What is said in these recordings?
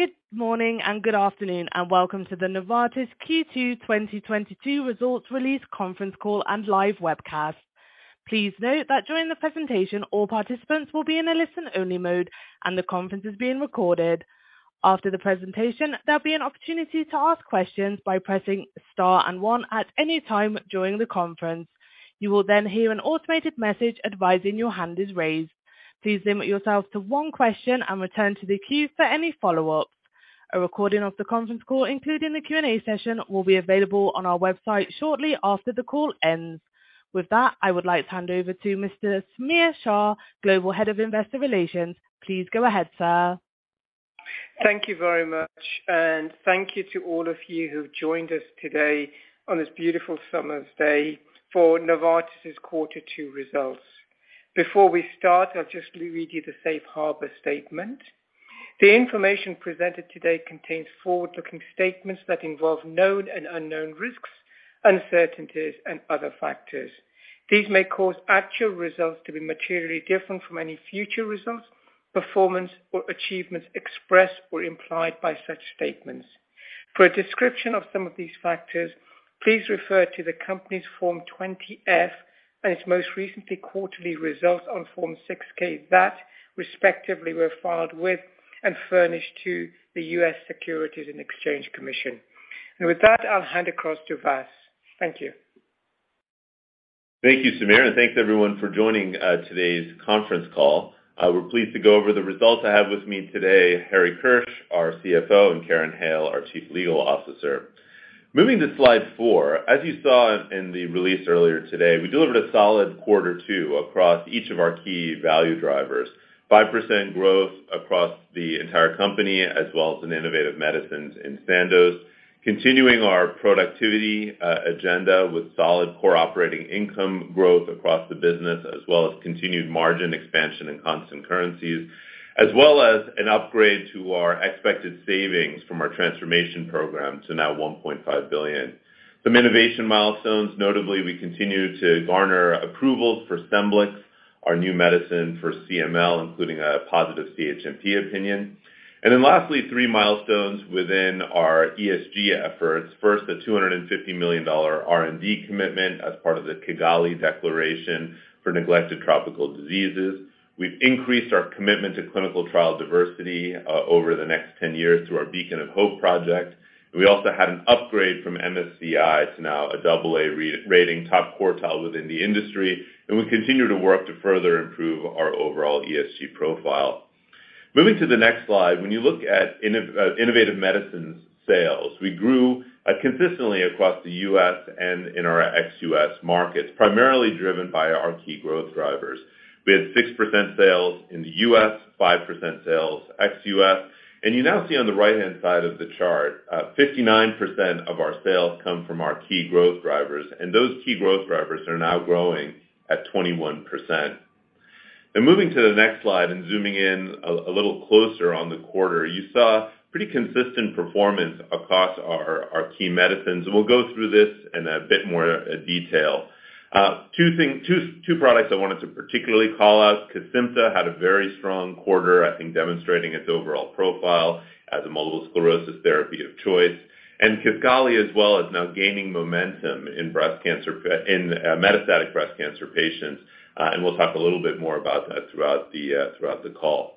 Good morning and good afternoon, and welcome to the Novartis Q2 2022 Results Release Conference Call and live webcast. Please note that during the presentation, all participants will be in a listen-only mode and the conference is being recorded. After the presentation, there'll be an opportunity to ask questions by pressing star and one at any time during the conference. You will then hear an automated message advising your hand is raised. Please limit yourself to one question and return to the queue for any follow-ups. A recording of the conference call, including the Q&A session, will be available on our website shortly after the call ends. With that, I would like to hand over to Mr. Samir Shah, Global Head of Investor Relations. Please go ahead, sir. Thank you very much, and thank you to all of you who joined us today on this beautiful summer's day for Novartis's quarter two results. Before we start, I'll just read you the safe harbor statement. The information presented today contains forward-looking statements that involve known and unknown risks, uncertainties, and other factors. These may cause actual results to be materially different from any future results, performance, or achievements expressed or implied by such statements. For a description of some of these factors, please refer to the company's Form 20-F and its most recent quarterly results on Form 6-K. Those respectively were filed with and furnished to the U.S. Securities and Exchange Commission. With that, I'll hand across to Vas. Thank you. Thank you, Samir, and thanks everyone for joining today's conference call. We're pleased to go over the results. I have with me today, Harry Kirsch, our CFO, and Karen Hale, our chief legal officer. Moving to slide 4. As you saw in the release earlier today, we delivered a solid quarter two across each of our key value drivers. 5% growth across the entire company, as well as in innovative medicines and Sandoz. Continuing our productivity agenda with solid core operating income growth across the business, as well as continued margin expansion in constant currencies, as well as an upgrade to our expected savings from our transformation program to now $1.5 billion. Some innovation milestones. Notably, we continue to garner approvals for Scemblix, our new medicine for CML, including a positive CHMP opinion. Lastly, 3 milestones within our ESG efforts. First, a $250 million R&D commitment as part of the Kigali Declaration on Neglected Tropical Diseases. We've increased our commitment to clinical trial diversity over the next 10 years through our Beacon of Hope project. We also had an upgrade from MSCI to now an AA re-rating top quartile within the industry, and we continue to work to further improve our overall ESG profile. Moving to the next slide. When you look at innovative medicines sales, we grew consistently across the U.S. and in our ex-U.S. markets, primarily driven by our key growth drivers. We had 6% sales in the U.S., 5% sales ex-U.S. You now see on the right-hand side of the chart, 59% of our sales come from our key growth drivers, and those key growth drivers are now growing at 21%. Moving to the next slide and zooming in a little closer on the quarter, you saw pretty consistent performance across our key medicines, and we'll go through this in a bit more detail. Two products I wanted to particularly call out. Kesimpta had a very strong quarter, I think demonstrating its overall profile as a multiple sclerosis therapy of choice. Kisqali as well is now gaining momentum in metastatic breast cancer patients, and we'll talk a little bit more about that throughout the call.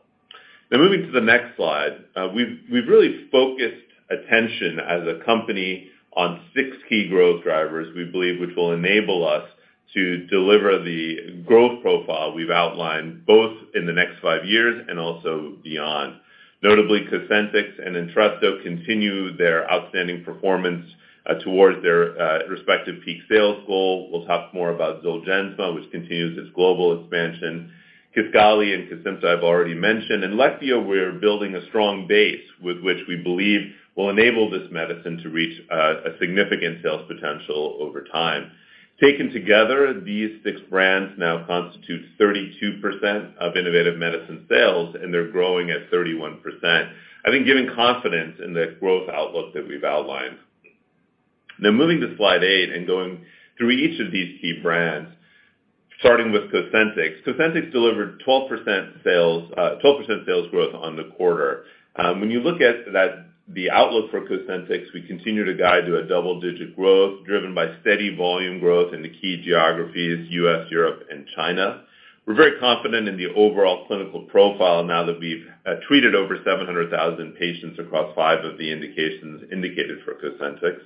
Moving to the next slide. We've really focused attention as a company on six key growth drivers, we believe, which will enable us to deliver the growth profile we've outlined, both in the next five years and also beyond. Notably Cosentyx and Entresto continue their outstanding performance towards their respective peak sales goal. We'll talk more about Zolgensma, which continues its global expansion. Kisqali and Cosentyx I've already mentioned. Leqvio, we're building a strong base with which we believe will enable this medicine to reach a significant sales potential over time. Taken together, these six brands now constitute 32% of innovative medicine sales, and they're growing at 31%. I think giving confidence in the growth outlook that we've outlined. Now moving to slide 8 and going through each of these key brands, starting with Cosentyx. Cosentyx delivered 12% sales growth on the quarter. When you look at that, the outlook for Cosentyx, we continue to guide to a double-digit growth driven by steady volume growth in the key geographies U.S., Europe, and China. We're very confident in the overall clinical profile now that we've treated over 700,000 patients across five of the indications indicated for Cosentyx.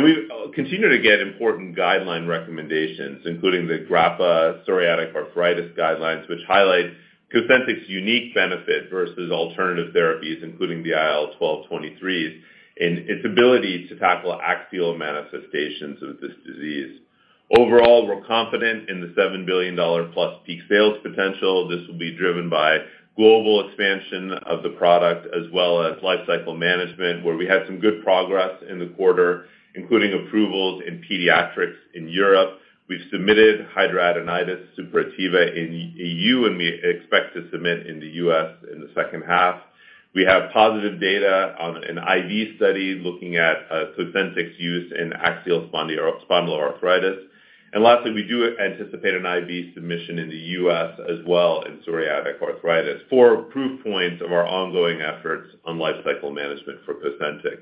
We've continued to get important guideline recommendations, including the GRAPPA psoriatic arthritis guidelines, which highlight Cosentyx unique benefit versus alternative therapies, including the IL-12/23s in its ability to tackle axial manifestations of this disease. Overall, we're confident in the $7 billion+ peak sales potential. This will be driven by global expansion of the product as well as lifecycle management, where we had some good progress in the quarter, including approvals in pediatrics in Europe. We've submitted hidradenitis suppurativa in EU, and we expect to submit in the U.S. in the second half. We have positive data on an IV study looking at Cosentyx use in axial spondyloarthritis. Lastly, we do anticipate an IV submission in the US as well in psoriatic arthritis for proof points of our ongoing efforts on lifecycle management for Cosentyx.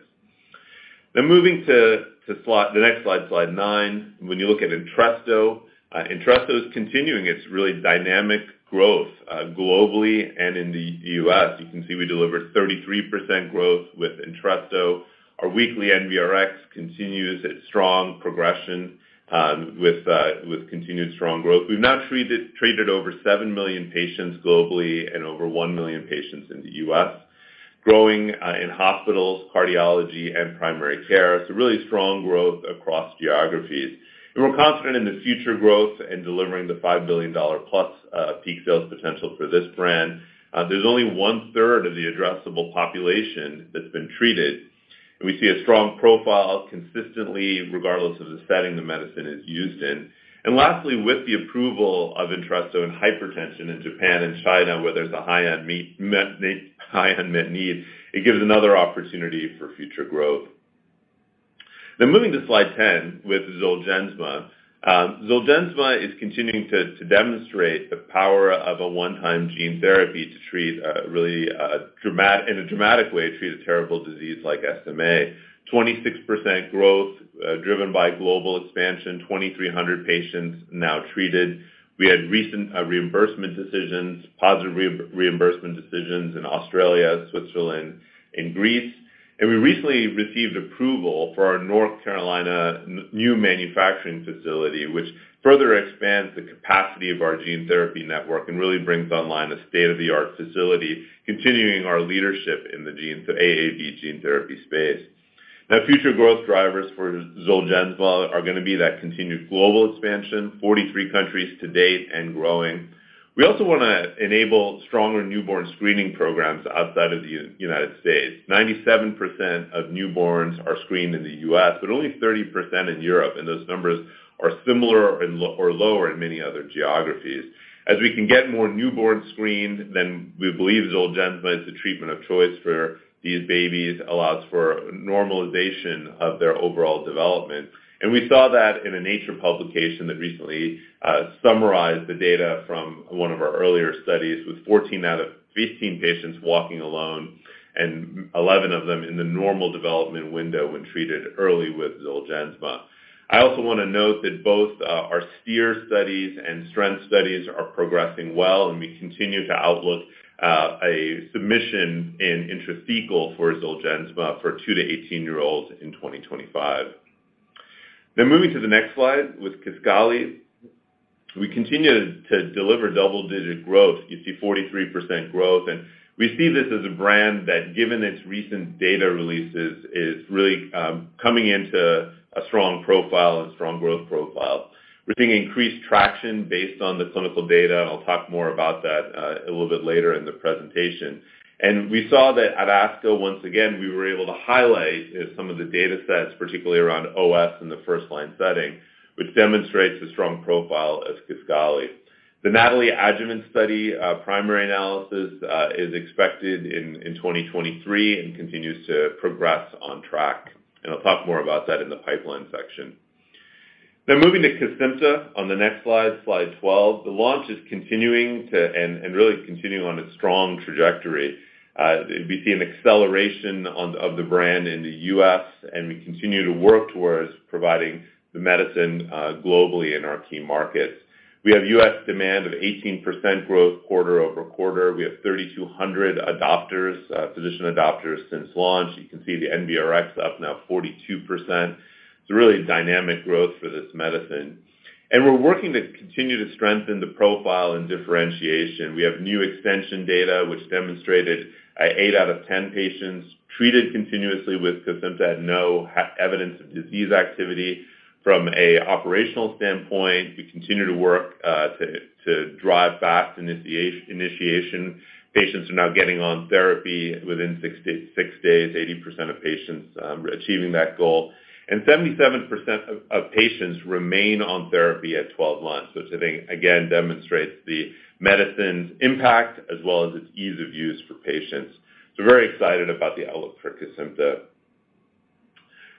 Now moving to the next slide nine. When you look at Entresto is continuing its really dynamic growth, globally and in the US. You can see we delivered 33% growth with Entresto. Our weekly NVRX continues its strong progression, with continued strong growth. We've now treated over 7 million patients globally and over 1 million patients in the US, growing in hospitals, cardiology, and primary care. Really strong growth across geographies. We're confident in the future growth in delivering the $5 billion+ peak sales potential for this brand. There's only 1/3 of the addressable population that's been treated. We see a strong profile consistently, regardless of the setting the medicine is used in. Lastly, with the approval of Entresto in hypertension in Japan and China, where there's a high unmet need, it gives another opportunity for future growth. Now moving to slide 10 with Zolgensma. Zolgensma is continuing to demonstrate the power of a one-time gene therapy to treat really in a dramatic way a terrible disease like SMA. 26% growth driven by global expansion, 2,300 patients now treated. We had recent reimbursement decisions, positive reimbursement decisions in Australia, Switzerland, and Greece. We recently received approval for our North Carolina new manufacturing facility, which further expands the capacity of our gene therapy network and really brings online a state-of-the-art facility, continuing our leadership in the gene to AAV gene therapy space. Now, future growth drivers for Zolgensma are gonna be that continued global expansion, 43 countries to date and growing. We also wanna enable stronger newborn screening programs outside of the United States. 97% of newborns are screened in the U.S., but only 30% in Europe, and those numbers are similar or lower in many other geographies. As we can get more newborns screened, then we believe Zolgensma is the treatment of choice for these babies, allows for normalization of their overall development. We saw that in a Nature publication that recently summarized the data from one of our earlier studies, with 14 out of 15 patients walking alone and 11 of them in the normal development window when treated early with Zolgensma. I also wanna note that both our STEER studies and STRENGTH studies are progressing well, and we continue to outlook a submission in intrathecal for Zolgensma for 2 to 18-year-olds in 2025. Moving to the next slide with Kisqali. We continue to deliver double-digit growth. You see 43% growth, and we see this as a brand that, given its recent data releases, is really coming into a strong profile, a strong growth profile. We're seeing increased traction based on the clinical data, and I'll talk more about that a little bit later in the presentation. We saw that at ASCO, once again, we were able to highlight some of the datasets, particularly around OS in the first-line setting, which demonstrates the strong profile of Kisqali. The NATALEE adjuvant study primary analysis is expected in 2023 and continues to progress on track. I'll talk more about that in the pipeline section. Now moving to Cosentyx on the next slide 12. The launch is continuing and really continuing on a strong trajectory. We see an acceleration of the brand in the US, and we continue to work towards providing the medicine globally in our key markets. We have US demand of 18% growth quarter-over-quarter. We have 3,200 adopters, physician adopters since launch. You can see the NVRX up now 42%. It's a really dynamic growth for this medicine. We're working to continue to strengthen the profile and differentiation. We have new extension data, which demonstrated eight out of ten patients treated continuously with Cosentyx had no evidence of disease activity. From an operational standpoint, we continue to work to drive fast initiation. Patients are now getting on therapy within 6 days, 80% of patients achieving that goal. 77% of patients remain on therapy at 12 months, which I think again demonstrates the medicine's impact as well as its ease of use for patients. Very excited about the outlook for Cosentyx.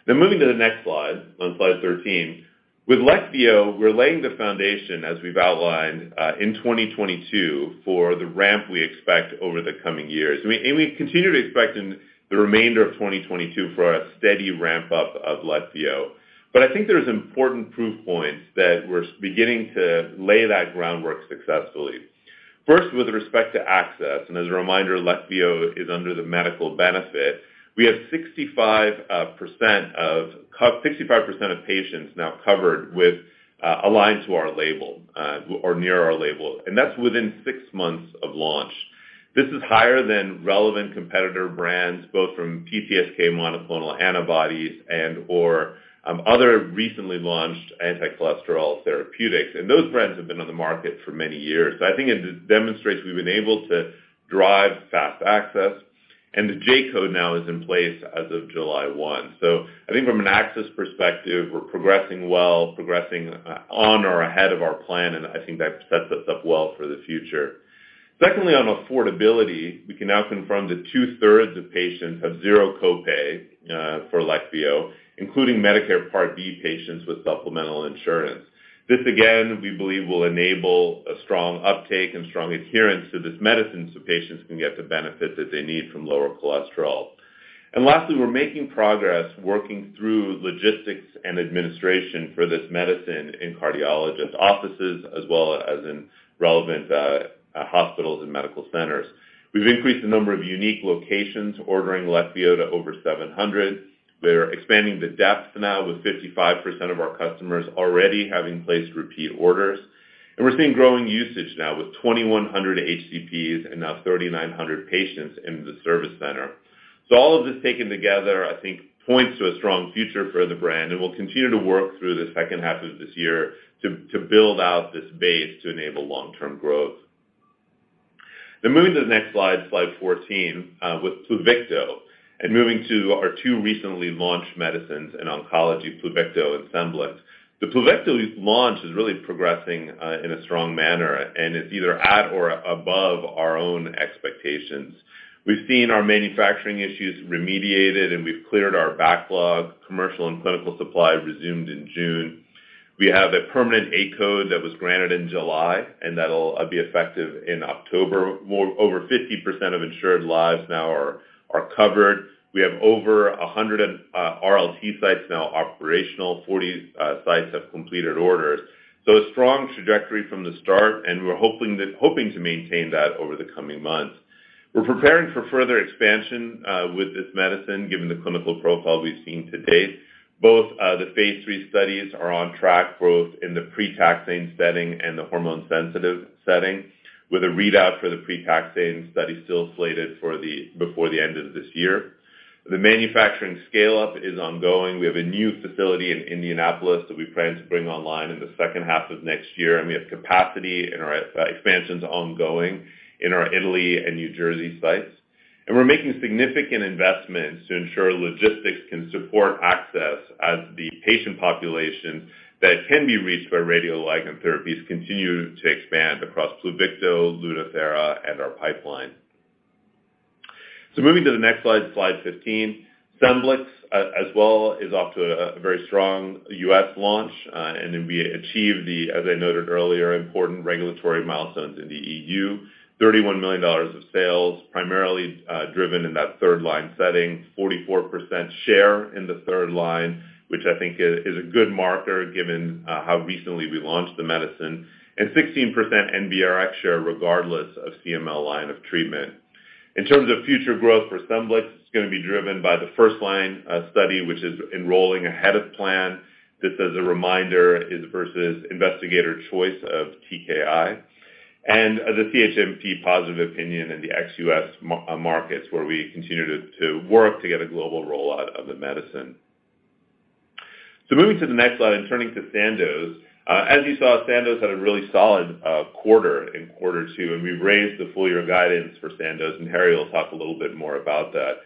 Moving to the next slide, on slide 13. With Leqvio, we're laying the foundation, as we've outlined in 2022 for the ramp we expect over the coming years. We continue to expect in the remainder of 2022 for a steady ramp-up of Leqvio. I think there's important proof points that we're beginning to lay that groundwork successfully. First, with respect to access, and as a reminder, Leqvio is under the medical benefit. We have 65% of patients now covered with aligned to our label or near our label, and that's within six months of launch. This is higher than relevant competitor brands, both from PCSK9 monoclonal antibodies and/or other recently launched anti-cholesterol therapeutics. Those brands have been on the market for many years. I think it demonstrates we've been able to drive fast access, and the J-code now is in place as of July 1. I think from an access perspective, we're progressing well, progressing on or ahead of our plan, and I think that sets us up well for the future. Secondly, on affordability, we can now confirm that two-thirds of patients have zero copay for Leqvio, including Medicare Part D patients with supplemental insurance. This again, we believe, will enable a strong uptake and strong adherence to this medicine so patients can get the benefit that they need from lower cholesterol. Lastly, we're making progress working through logistics and administration for this medicine in cardiologist offices as well as in relevant hospitals and medical centers. We've increased the number of unique locations ordering Leqvio to over 700. We're expanding the depth now with 55% of our customers already having placed repeat orders. We're seeing growing usage now with 2,100 HCPs and now 3,900 patients in the service center. All of this taken together, I think points to a strong future for the brand, and we'll continue to work through the second half of this year to build out this base to enable long-term growth. Moving to the next slide 14, with Pluvicto, and moving to our two recently launched medicines in oncology, Pluvicto and Scemblix. The Pluvicto launch is really progressing in a strong manner, and it's either at or above our own expectations. We've seen our manufacturing issues remediated, and we've cleared our backlog. Commercial and clinical supply resumed in June. We have a permanent J-code that was granted in July, and that'll be effective in October. Over 50% of insured lives now are covered. We have over 100 RLT sites now operational. 40 sites have completed orders. A strong trajectory from the start, and we're hoping to maintain that over the coming months. We're preparing for further expansion with this medicine, given the clinical profile we've seen to date. Both the phase 3 studies are on track, both in the pre-taxane setting and the hormone-sensitive setting, with a readout for the pre-taxane study still slated for before the end of this year. The manufacturing scale-up is ongoing. We have a new facility in Indianapolis that we plan to bring online in the second half of next year, and we have capacity and our expansions ongoing in our Italy and New Jersey sites. We're making significant investments to ensure logistics can support access as the patient population that can be reached by radioligand therapies continue to expand across Pluvicto, Lutathera, and our pipeline. Moving to the next slide 15. Scemblix, as well, is off to a very strong U.S. launch, and then we achieved the, as I noted earlier, important regulatory milestones in the EU. $31 million of sales, primarily, driven in that third-line setting, 44% share in the third line, which I think is a good marker given how recently we launched the medicine, and 16% NBRX share regardless of CML line of treatment. In terms of future growth for Scemblix, it's gonna be driven by the first-line study, which is enrolling ahead of plan. This, as a reminder, is versus investigator choice of TKI. The CHMP positive opinion in the ex-U.S. markets where we continue to work to get a global rollout of the medicine. Moving to the next slide and turning to Sandoz. As you saw, Sandoz had a really solid quarter in quarter two, and we've raised the full year guidance for Sandoz, and Harry will talk a little bit more about that.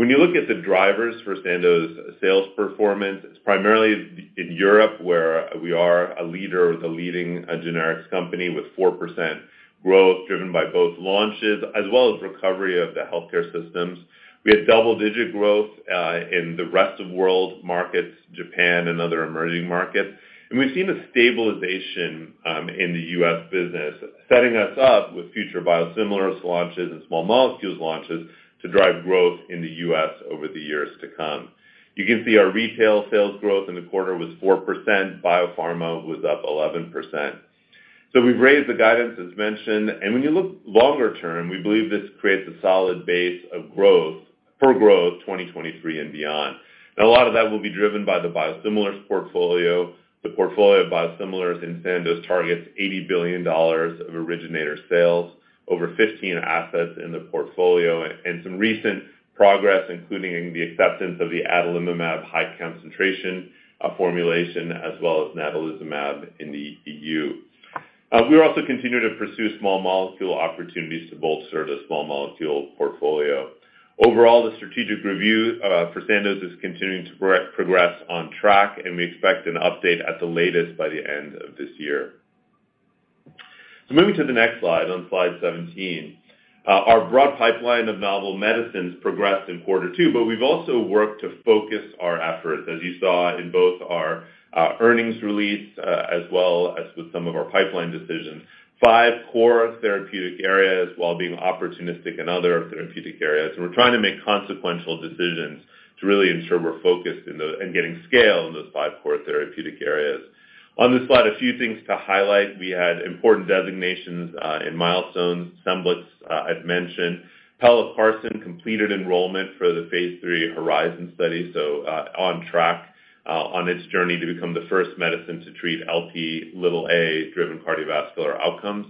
When you look at the drivers for Sandoz sales performance, it's primarily in Europe, where we are a leader or the leading generics company with 4% growth, driven by both launches as well as recovery of the healthcare systems. We had double-digit growth in the rest-of-world markets, Japan and other emerging markets. We've seen a stabilization in the US business, setting us up with future biosimilars launches and small molecules launches to drive growth in the US over the years to come. You can see our retail sales growth in the quarter was 4%. Biopharma was up 11%. We've raised the guidance as mentioned. When you look longer term, we believe this creates a solid base of growth for growth 2023 and beyond. Now a lot of that will be driven by the biosimilars portfolio. The portfolio of biosimilars in Sandoz targets $80 billion of originator sales, over 15 assets in the portfolio, and some recent progress, including the acceptance of the Adalimumab high concentration formulation, as well as omalizumab in the EU. We also continue to pursue small molecule opportunities to build diverse small molecule portfolio. Overall, the strategic review for Sandoz is continuing to progress on track, and we expect an update at the latest by the end of this year. Moving to the next slide, on slide 17. Our broad pipeline of novel medicines progressed in quarter two, but we've also worked to focus our efforts, as you saw in both our earnings release as well as with some of our pipeline decisions. Five core therapeutic areas while being opportunistic in other therapeutic areas. We're trying to make consequential decisions to really ensure we're focused in getting scale in those five core therapeutic areas. On this slide, a few things to highlight. We had important designations and milestones. Scemblix, I'd mentioned. pelacarsen completed enrollment for the phase 3 Lp(a)HORIZON study, so on track on its journey to become the first medicine to treat Lp(a)-driven cardiovascular outcomes.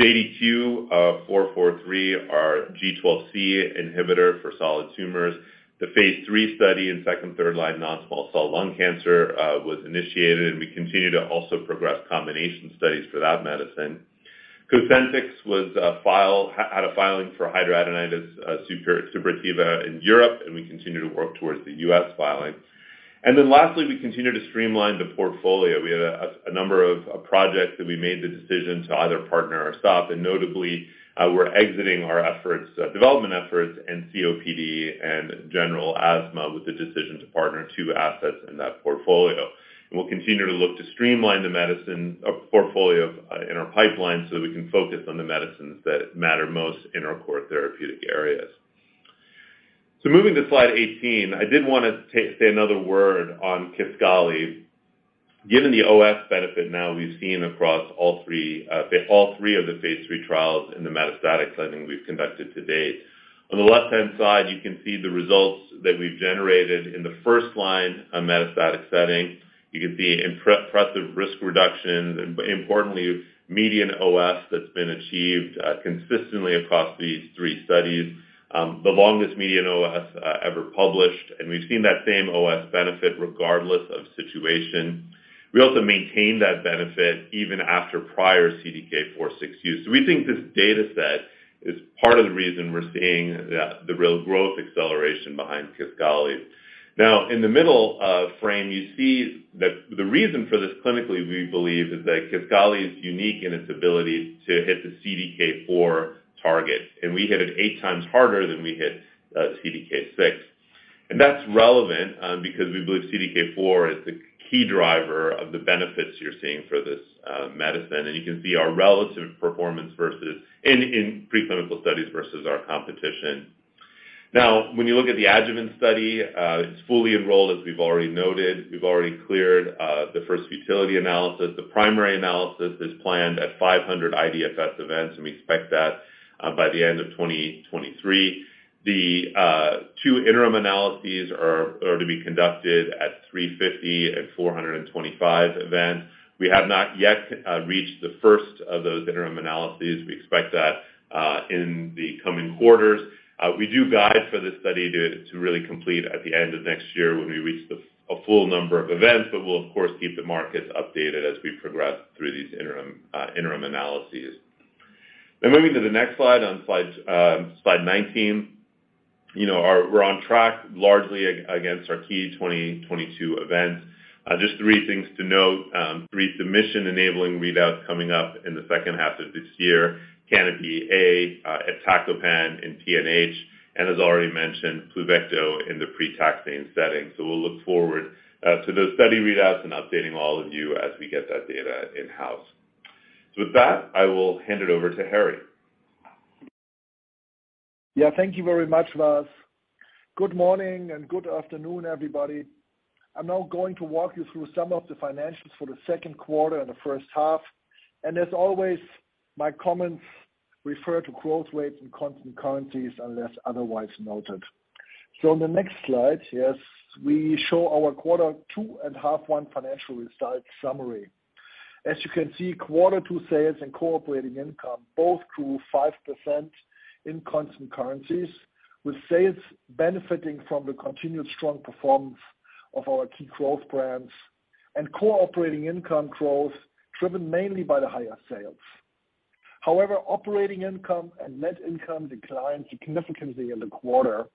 JDQ443, our G12C inhibitor for solid tumors. The Phase 3 study in second- and third-line non-small cell lung cancer was initiated, and we continue to also progress combination studies for that medicine. Cosentyx had a filing for hidradenitis suppurativa in Europe, and we continue to work towards the U.S. filing. Then lastly, we continue to streamline the portfolio. We had a number of projects that we made the decision to either partner or stop. Notably, we're exiting our development efforts in COPD and general asthma with the decision to partner two assets in that portfolio. We'll continue to look to streamline the medicine portfolio in our pipeline so that we can focus on the medicines that matter most in our core therapeutic areas. Moving to slide 18, I did wanna say another word on Kisqali. Given the OS benefit now we've seen across all three, all three of the phase three trials in the metastatic setting we've conducted to date. On the left-hand side, you can see the results that we've generated in the first line of metastatic setting. You can see impressive risk reduction, but importantly, median OS that's been achieved, consistently across these three studies, the longest median OS, ever published, and we've seen that same OS benefit regardless of situation. We also maintain that benefit even after prior CDK4/6 use. We think this data set is part of the reason we're seeing the real growth acceleration behind Kisqali. Now in the middle, frame, you see that the reason for this clinically, we believe, is that Kisqali is unique in its ability to hit the CDK4 target, and we hit it 8x harder than we hit, CDK6. That's relevant, because we believe CDK4 is the key driver of the benefits you're seeing for this, medicine. You can see our relative performance versus in preclinical studies versus our competition. Now, when you look at the adjuvant study, it's fully enrolled, as we've already noted. We've already cleared, the first futility analysis. The primary analysis is planned at 500 IDFS events, and we expect that, by the end of 2023. The two interim analyses are to be conducted at 350 and 425 events. We have not yet reached the first of those interim analyses. We expect that in the coming quarters. We do guide for this study to really complete at the end of next year when we reach a full number of events, but we'll of course keep the markets updated as we progress through these interim analyses. Moving to the next slide, on slide 19, you know, we're on track largely against our key 2022 events. Just three things to note, three submission enabling readouts coming up in the second half of this year, CANOPY-A, iptacopan in PNH, and as already mentioned, Pluvicto in the pre-taxane setting. We'll look forward to those study readouts and updating all of you as we get that data in-house. With that, I will hand it over to Harry. Yeah. Thank you very much, Vas. Good morning and good afternoon, everybody. I'm now going to walk you through some of the financials for the second quarter and the first half. As always, my comments refer to growth rates and constant currencies unless otherwise noted. On the next slide, yes, we show our quarter two and half one financial results summary. As you can see, quarter two sales and core operating income both grew 5% in constant currencies, with sales benefiting from the continued strong performance of our key growth brands and core operating income growth driven mainly by the higher sales. However, operating income and net income declined significantly in the quarter.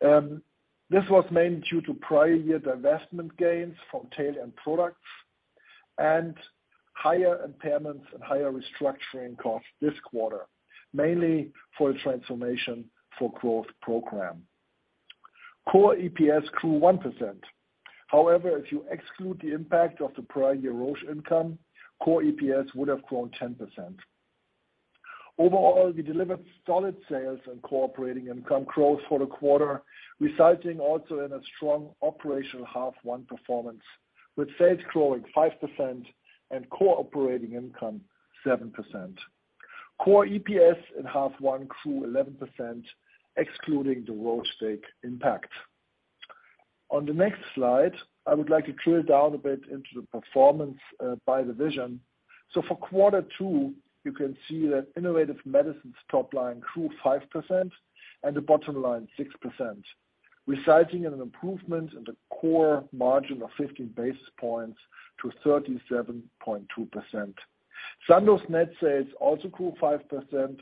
This was mainly due to prior year divestment gains from tail end products and higher impairments and higher restructuring costs this quarter, mainly for the transformation for growth program. Core EPS grew 1%. However, if you exclude the impact of the prior year Roche income, core EPS would have grown 10%. Overall, we delivered solid sales and core operating income growth for the quarter, resulting also in a strong operational half one performance, with sales growing 5% and core operating income 7%. Core EPS in half one grew 11%, excluding the Roche stake impact. On the next slide, I would like to drill down a bit into the performance by division. For quarter two, you can see that Innovative Medicines top line grew 5% and the bottom line 6%, resulting in an improvement in the core margin of 15 basis points to 37.2%. Sandoz net sales also grew 5%,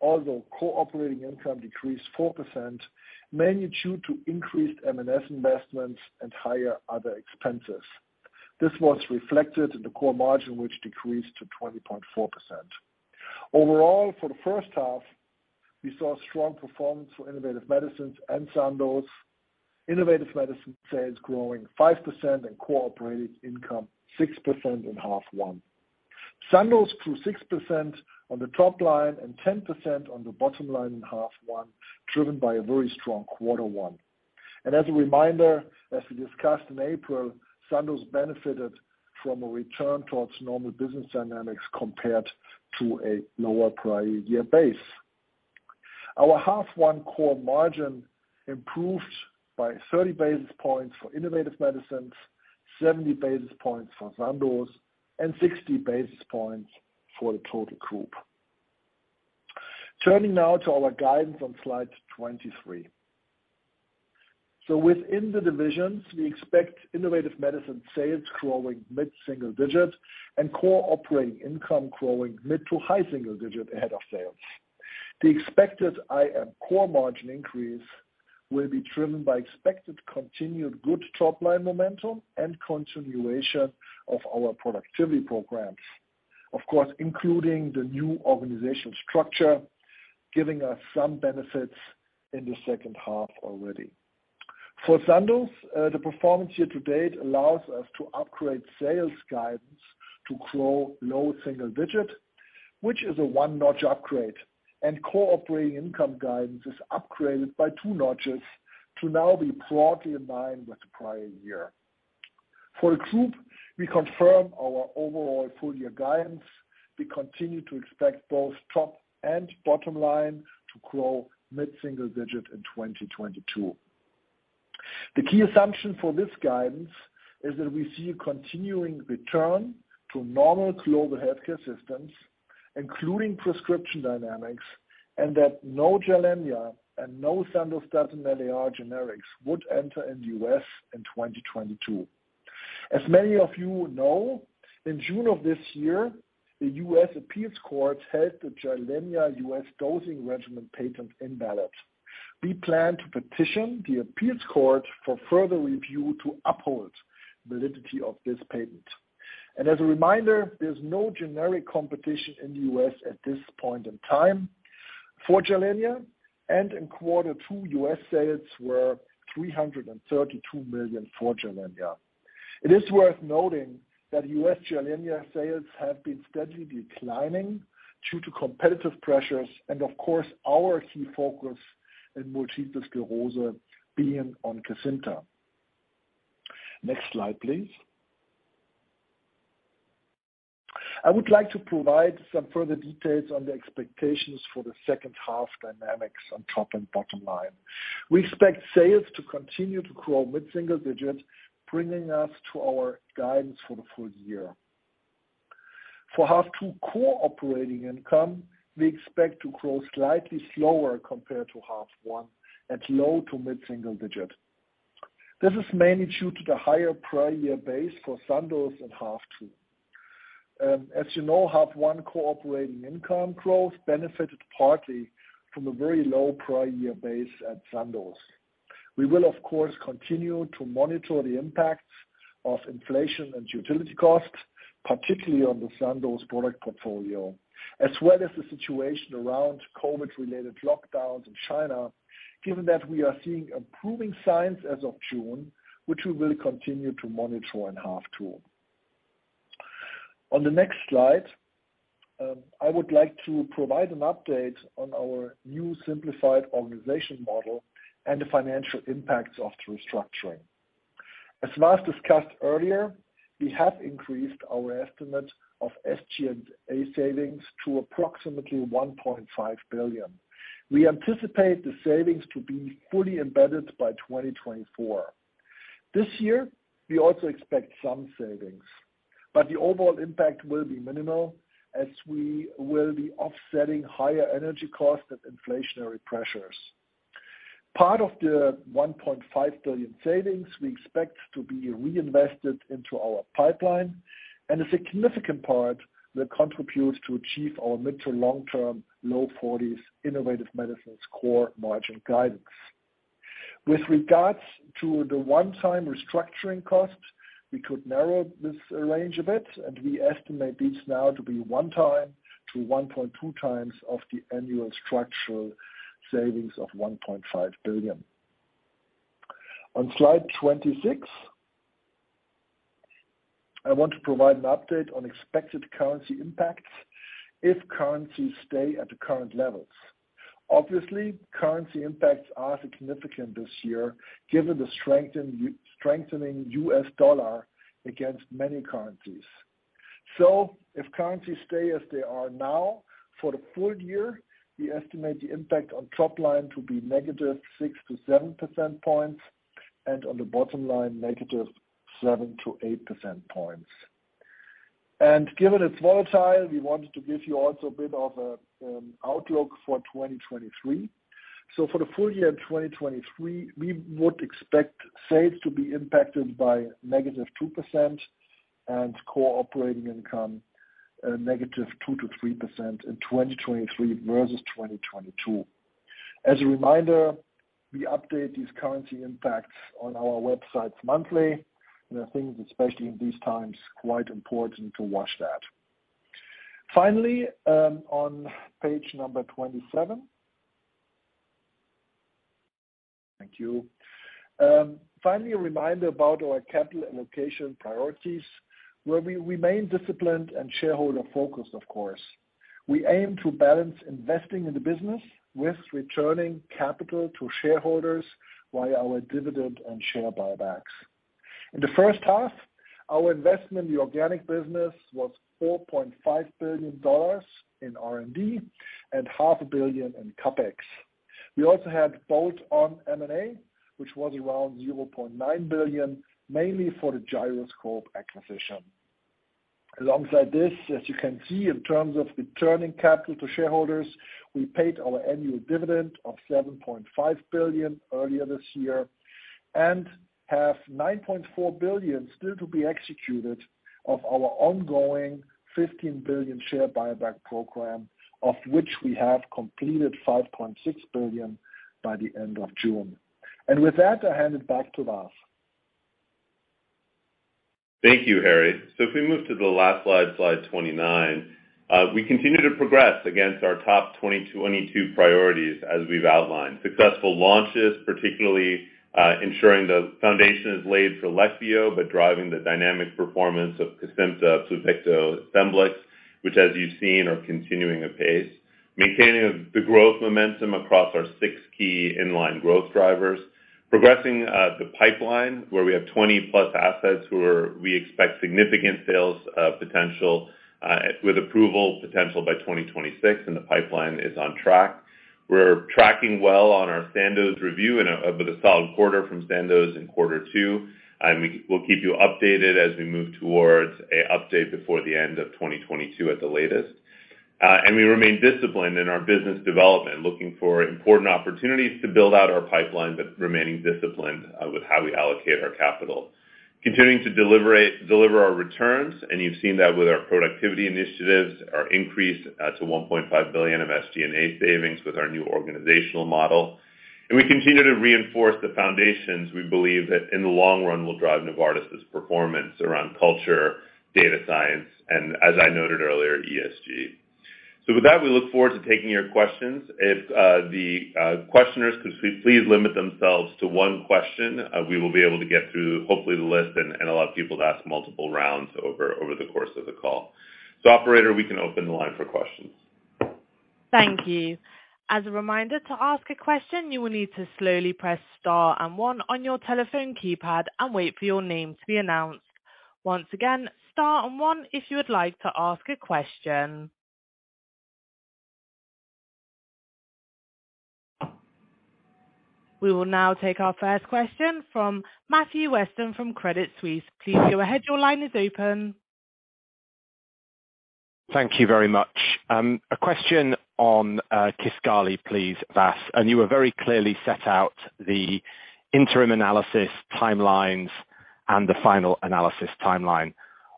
although core operating income decreased 4%, mainly due to increased M&S investments and higher other expenses. This was reflected in the core margin, which decreased to 20.4%. Overall, for the first half, we saw strong performance for Innovative Medicines and Sandoz. Innovative Medicines sales growing 5% and core operating income 6% in half one. Sandoz grew 6% on the top line and 10% on the bottom line in half one, driven by a very strong quarter one. As a reminder, as we discussed in April, Sandoz benefited from a return towards normal business dynamics compared to a lower prior year base. Our half one core margin improved by 30 basis points for Innovative Medicines, 70 basis points for Sandoz, and 60 basis points for the total group. Turning now to our guidance on slide 23. Within the divisions, we expect Innovative Medicine sales growing mid-single-digit and core operating income growing mid- to high-single-digit ahead of sales. The expected IM core margin increase will be driven by expected continued good top-line momentum and continuation of our productivity programs, of course, including the new organizational structure, giving us some benefits in the second half already. For Sandoz, the performance year-to-date allows us to upgrade sales guidance to grow low-single-digit, which is a one-notch upgrade, and core operating income guidance is upgraded by two notches to now be broadly in line with the prior year. For the group, we confirm our overall full-year guidance. We continue to expect both top and bottom line to grow mid-single-digit in 2022. The key assumption for this guidance is that we see a continuing return to normal global healthcare systems, including prescription dynamics, and that no Gilenya and no Sandostatin LAR generics would enter in the U.S. in 2022. As many of you know, in June of this year, the U.S. Appeals Court held the Gilenya U.S. dosing regimen patent invalid. We plan to petition the appeals court for further review to uphold validity of this patent. As a reminder, there's no generic competition in the U.S. at this point in time for Gilenya, and in quarter two, U.S. sales were $332 million for Gilenya. It is worth noting that U.S. Gilenya sales have been steadily declining due to competitive pressures and of course our key focus in multiple sclerosis being on Kesimpta. Next slide, please. I would like to provide some further details on the expectations for the second half dynamics on top and bottom line. We expect sales to continue to grow mid-single digits, bringing us to our guidance for the full year. For half two core operating income, we expect to grow slightly slower compared to half one at low- to mid-single digit. This is mainly due to the higher prior year base for Sandoz in half two. As you know, half one core operating income growth benefited partly from a very low prior year base at Sandoz. We will of course continue to monitor the impact of inflation and utility costs, particularly on the Sandoz product portfolio, as well as the situation around COVID-related lockdowns in China, given that we are seeing improving signs as of June, which we will continue to monitor in half two. On the next slide, I would like to provide an update on our new simplified organization model and the financial impacts of the restructuring. As Vas discussed earlier, we have increased our estimate of SG&A savings to approximately $1.5 billion. We anticipate the savings to be fully embedded by 2024. This year, we also expect some savings, but the overall impact will be minimal as we will be offsetting higher energy costs and inflationary pressures. Part of the $1.5 billion savings we expect to be reinvested into our pipeline and a significant part will contribute to achieve our mid- to long-term low-40s innovative medicines core margin guidance. With regards to the one-time restructuring costs, we could narrow this range a bit, and we estimate this now to be 1-1.2x of the annual structural savings of 1.5 billion. On slide 26, I want to provide an update on expected currency impacts if currencies stay at the current levels. Obviously, currency impacts are significant this year given the strengthening U.S. dollar against many currencies. If currencies stay as they are now, for the full year, we estimate the impact on top line to be negative 6-7 percentage points and on the bottom line, negative 7-8 percentage points. Given it's volatile, we wanted to give you also a bit of a outlook for 2023. For the full year in 2023, we would expect sales to be impacted by -2% and core operating income, negative -2% to -3% in 2023 versus 2022. As a reminder, we update these currency impacts on our websites monthly. I think especially in these times, quite important to watch that. Finally, on page 27. Thank you. Finally, a reminder about our capital allocation priorities, where we remain disciplined and shareholder focused, of course. We aim to balance investing in the business with returning capital to shareholders via our dividend and share buybacks. In the first half, our investment in the organic business was $4.5 billion in R&D and $500,000,000 in CapEx. We also had bolt-on M&A, which was around $0.9 billion, mainly for the Gyroscope Therapeutics acquisition. Alongside this, as you can see in terms of returning capital to shareholders, we paid our annual dividend of $7.5 billion earlier this year and have $9.4 billion still to be executed of our ongoing $15 billion share buyback program, of which we have completed $5.6 billion by the end of June. With that, I hand it back to Vas. Thank you, Harry. If we move to the last slide 29. We continue to progress against our top 2022 priorities as we've outlined. Successful launches, particularly ensuring the foundation is laid for Leqvio, but driving the dynamic performance of Cosentyx, Kesimpta, Entresto, which as you've seen, are continuing apace. Maintaining the growth momentum across our six key inline growth drivers. Progressing the pipeline where we have 20+ assets where we expect significant sales potential with approval potential by 2026, and the pipeline is on track. We're tracking well on our Sandoz review and with a solid quarter from Sandoz in quarter two. We will keep you updated as we move towards an update before the end of 2022 at the latest. We remain disciplined in our business development, looking for important opportunities to build out our pipeline, but remaining disciplined with how we allocate our capital. Continuing to deliver our returns, and you've seen that with our productivity initiatives, our increase to $1.5 billion of SG&A savings with our new organizational model. We continue to reinforce the foundations we believe that in the long run will drive Novartis' performance around culture, data science, and as I noted earlier, ESG. With that, we look forward to taking your questions. If the questioners could please limit themselves to one question, we will be able to get through hopefully the list and allow people to ask multiple rounds over the course of the call. Operator, we can open the line for questions. Thank you. As a reminder, to ask a question, you will need to slowly press star and one on your telephone keypad and wait for your name to be announced. Once again, star and one if you would like to ask a question. We will now take our first question from Matthew Weston from Credit Suisse. Please go ahead. Your line is open. Thank you very much. A question on Kisqali, please, Vas. You were very clearly set out the interim analysis timelines and the final analysis timeline.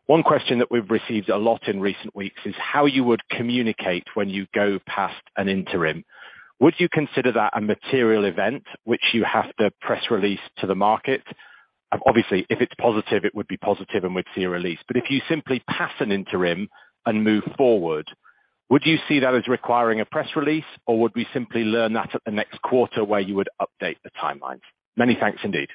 One question that we've received a lot in recent weeks is how you would communicate when you go past an interim. Would you consider that a material event which you have to press release to the market? Obviously, if it's positive, it would be positive and we'd see a release. But if you simply pass an interim and move forward, would you see that as requiring a press release, or would we simply learn that at the next quarter where you would update the timeline? Many thanks indeed.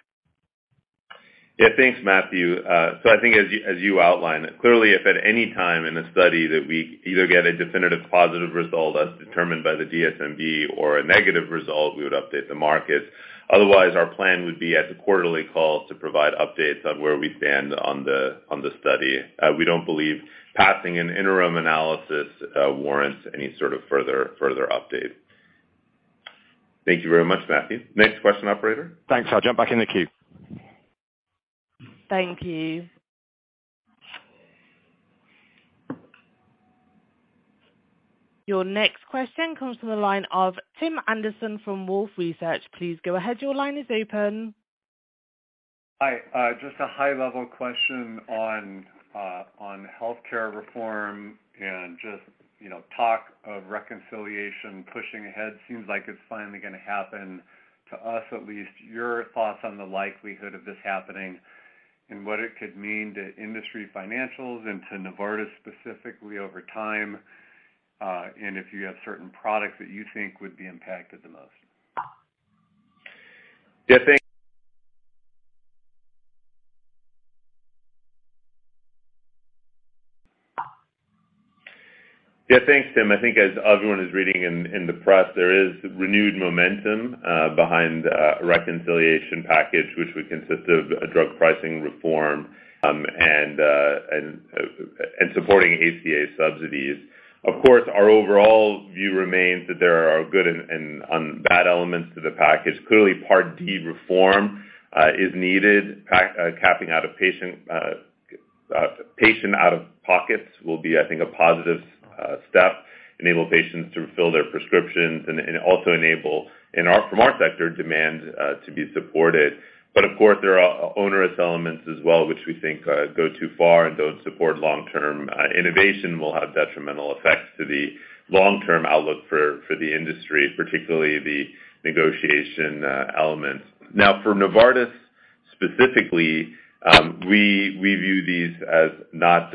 Yeah, thanks, Matthew. I think as you outlined, clearly, if at any time in a study that we either get a definitive positive result as determined by the DSMB or a negative result, we would update the market. Otherwise, our plan would be at the quarterly calls to provide updates on where we stand on the study. We don't believe passing an interim analysis warrants any sort of further update. Thank you very much, Matthew. Next question, operator. Thanks. I'll jump back in the queue. Thank you. Your next question comes from the line of Tim Anderson from Wolfe Research. Please go ahead. Your line is open. Hi. Just a high-level question on healthcare reform and just, you know, talk of reconciliation pushing ahead. Seems like it's finally gonna happen, to us at least. Your thoughts on the likelihood of this happening and what it could mean to industry financials and to Novartis specifically over time, and if you have certain products that you think would be impacted the most. Yeah, thanks, Tim. I think as everyone is reading in the press, there is renewed momentum behind a reconciliation package which would consist of a drug pricing reform, and supporting ACA subsidies. Of course, our overall view remains that there are good and bad elements to the package. Clearly, Part D reform is needed. Capping patient out-of-pockets will be, I think, a positive step, enable patients to fill their prescriptions and also enable from our sector demand to be supported. Of course, there are onerous elements as well, which we think go too far and don't support long-term. Innovation will have detrimental effects to the long-term outlook for the industry, particularly the negotiation elements. Now, for Novartis specifically, we view these as not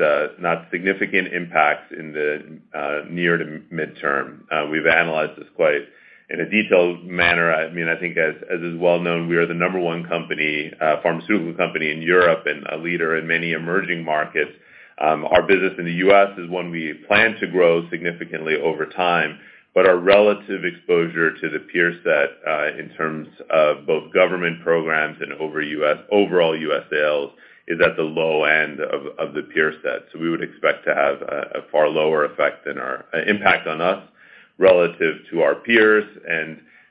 significant impacts in the near to midterm. We've analyzed this quite in a detailed manner. I mean, I think as is well known, we are the number one company, pharmaceutical company in Europe and a leader in many emerging markets. Our business in the U.S. is one we plan to grow significantly over time, but our relative exposure to the peer set, in terms of both government programs and overall U.S. sales is at the low end of the peer set. We would expect to have a far lower impact on us relative to our peers.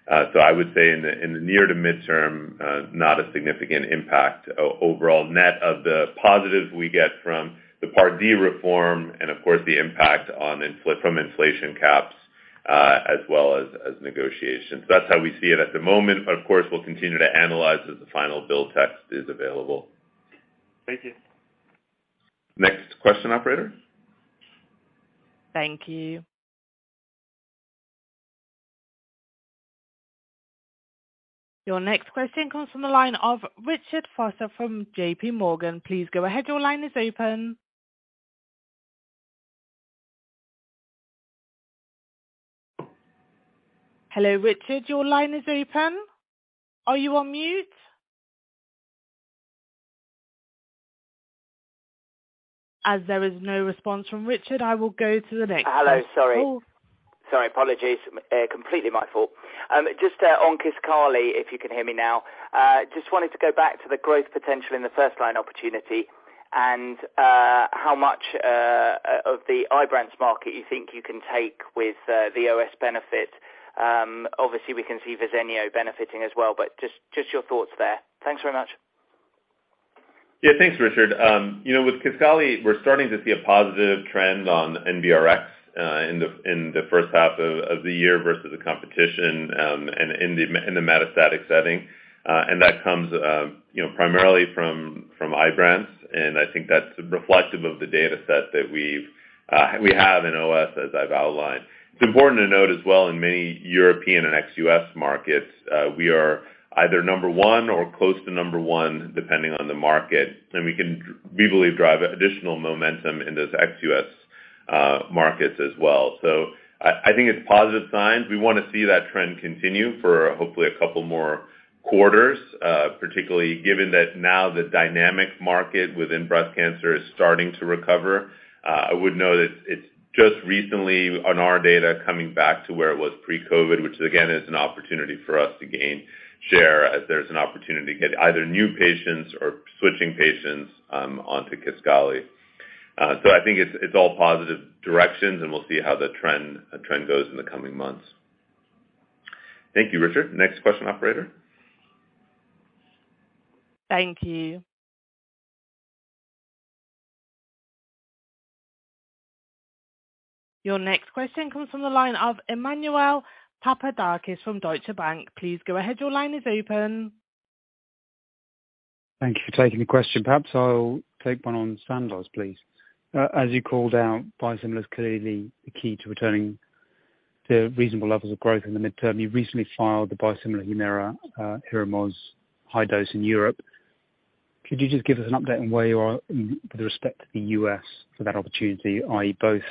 I would say in the near to midterm, not a significant impact overall net of the positives we get from the Part D reform and of course, the impact from inflation caps, as well as negotiations. That's how we see it at the moment. Of course, we'll continue to analyze as the final bill text is available. Thank you. Next question, operator. Thank you. Your next question comes from the line of Richard Vosser from J.P. Morgan. Please go ahead. Your line is open. Hello, Richard, your line is open. Are you on mute? As there is no response from Richard, I will go to the next person. Hello. Sorry. Cool. Sorry, apologies. Completely my fault. Just on Kisqali, if you can hear me now, just wanted to go back to the growth potential in the first line opportunity and how much of the Ibrance market you think you can take with the OS benefit. Obviously we can see Verzenio benefiting as well, but just your thoughts there. Thanks very much. Yeah, thanks, Richard. You know, with Kisqali, we're starting to see a positive trend on NBRX in the first half of the year versus the competition, and in the metastatic setting. That comes, you know, primarily from Ibrance, and I think that's reflective of the data set that we have in OS, as I've outlined. It's important to note as well, in many European and ex-US markets, we are either number one or close to number one, depending on the market. We believe we can drive additional momentum in those ex-US markets as well. I think it's positive signs. We wanna see that trend continue for hopefully a couple more quarters, particularly given that now the dynamic market within breast cancer is starting to recover. I would note it's just recently on our data coming back to where it was pre-COVID, which again is an opportunity for us to gain share as there's an opportunity to get either new patients or switching patients onto Kisqali. I think it's all positive directions and we'll see how the trend goes in the coming months. Thank you, Richard. Next question, operator. Thank you. Your next question comes from the line of Emmanuel Papadakis from Deutsche Bank. Please go ahead. Your line is open. Thank you for taking the question. Perhaps I'll take one on Sandoz, please. As you called out, biosimilar is clearly the key to returning to reasonable levels of growth in the midterm. You recently filed the biosimilar Humira, Hyrimoz high dose in Europe. Could you just give us an update on where you are with respect to the U.S. for that opportunity, i.e., both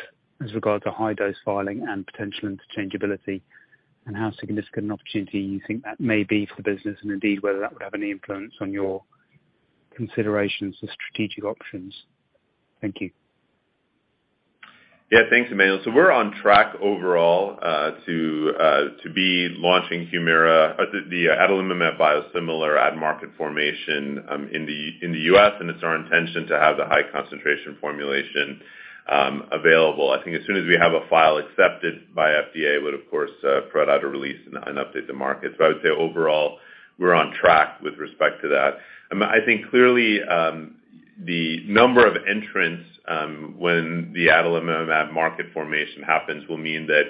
as regards to high dose filing and potential interchangeability, and how significant an opportunity you think that may be for the business, and indeed whether that would have any influence on your considerations for strategic options? Thank you. Yeah, thanks, Emmanuel. We're on track overall to be launching Humira or the adalimumab biosimilar at market formation in the U.S., and it's our intention to have the high concentration formulation available. I think as soon as we have a file accepted by FDA we would of course put out a release and update the market. I would say overall, we're on track with respect to that. I think clearly the number of entrants when the adalimumab market formation happens will mean that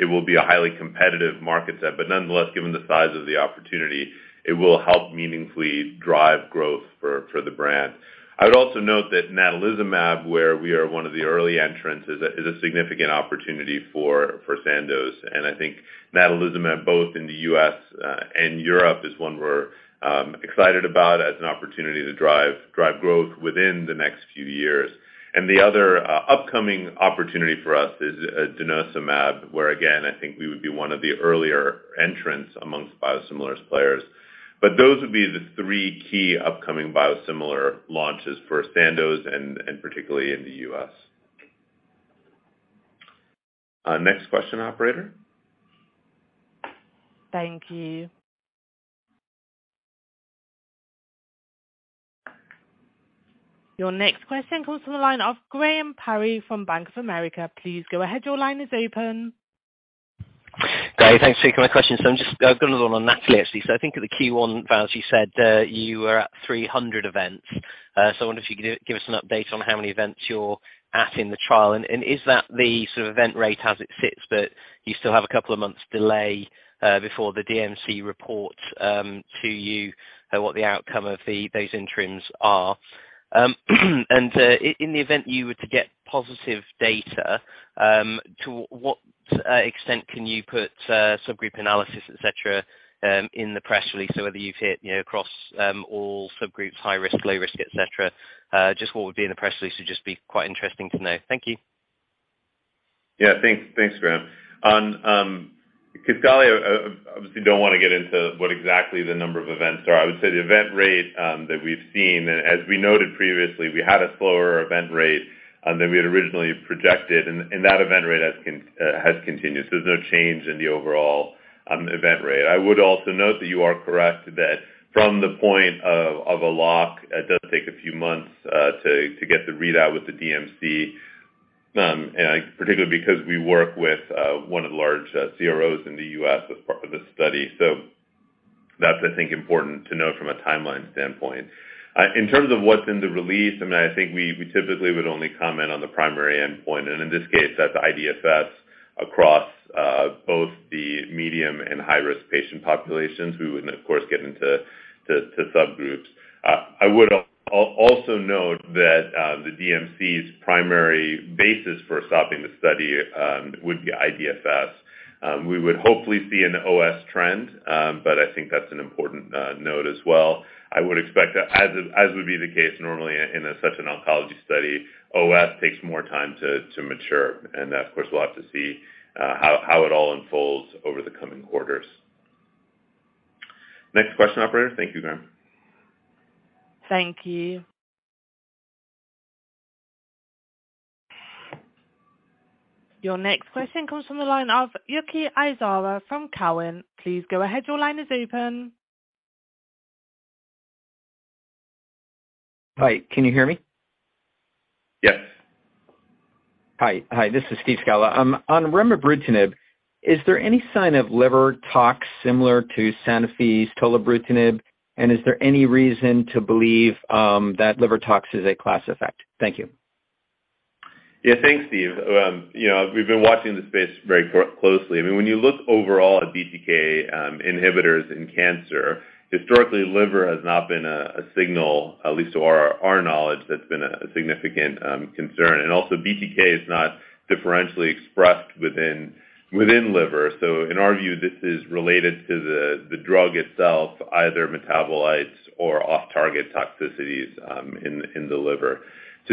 it will be a highly competitive market set, but nonetheless, given the size of the opportunity, it will help meaningfully drive growth for the brand. I would also note that natalizumab, where we are one of the early entrants is a significant opportunity for Sandoz. I think Natalizumab, both in the U.S. and Europe, is one we're excited about as an opportunity to drive growth within the next few years. The other upcoming opportunity for us is Denosumab, where again, I think we would be one of the earlier entrants among biosimilars players. Those would be the three key upcoming biosimilar launches for Sandoz and particularly in the U.S. Next question, operator. Thank you. Your next question comes to the line of Graham Parry from Bank of America. Please go ahead. Your line is open. Graham, thanks for taking my question. I've got another one on NATALEE, actually. I think at the Q1, Vas, as you said, you were at 300 events. I wonder if you can give us an update on how many events you're at in the trial. Is that the sort of event rate as it sits, but you still have a couple of months delay before the DMC reports to you on what the outcome of those interims are. In the event you were to get positive data, to what extent can you put subgroup analysis, et cetera, in the press release? Whether you've hit, you know, across all subgroups, high risk, low risk, et cetera, just what would be in the press release would just be quite interesting to know. Thank you. Yeah. Thanks. Thanks, Graham. On Kisqali, obviously don't wanna get into what exactly the number of events are. I would say the event rate that we've seen, as we noted previously, we had a slower event rate than we had originally projected. That event rate has continued. There's no change in the overall event rate. I would also note that you are correct that from the point of a lock, it does take a few months to get the readout with the DMC, and particularly because we work with one of the large CROs in the U.S. as part of this study. That's, I think, important to note from a timeline standpoint. In terms of what's in the release, I mean, I think we typically would only comment on the primary endpoint, and in this case, that's IDFS across both the medium and high-risk patient populations. We wouldn't, of course, get into subgroups. I would also note that the DMC's primary basis for stopping the study would be IDFS. We would hopefully see an OS trend, but I think that's an important note as well. I would expect that as would be the case normally in such an oncology study, OS takes more time to mature. Of course, we'll have to see how it all unfolds over the coming quarters. Next question, operator. Thank you, ma'am. Thank you. Your next question comes from the line of Steve Scala from Cowen. Please go ahead. Your line is open. Hi, can you hear me? Yes. Hi. Hi, this is Steve Scala. On remibrutinib, is there any sign of liver tox similar to Sanofi's tolebrutinib? Is there any reason to believe that liver tox is a class effect? Thank you. Yeah, thanks, Steve. You know, we've been watching the space very closely. I mean, when you look overall at BTK inhibitors in cancer, historically, liver has not been a signal, at least to our knowledge, that's been a significant concern. Also BTK is not differentially expressed within liver. In our view, this is related to the drug itself, either metabolites or off-target toxicities in the liver. To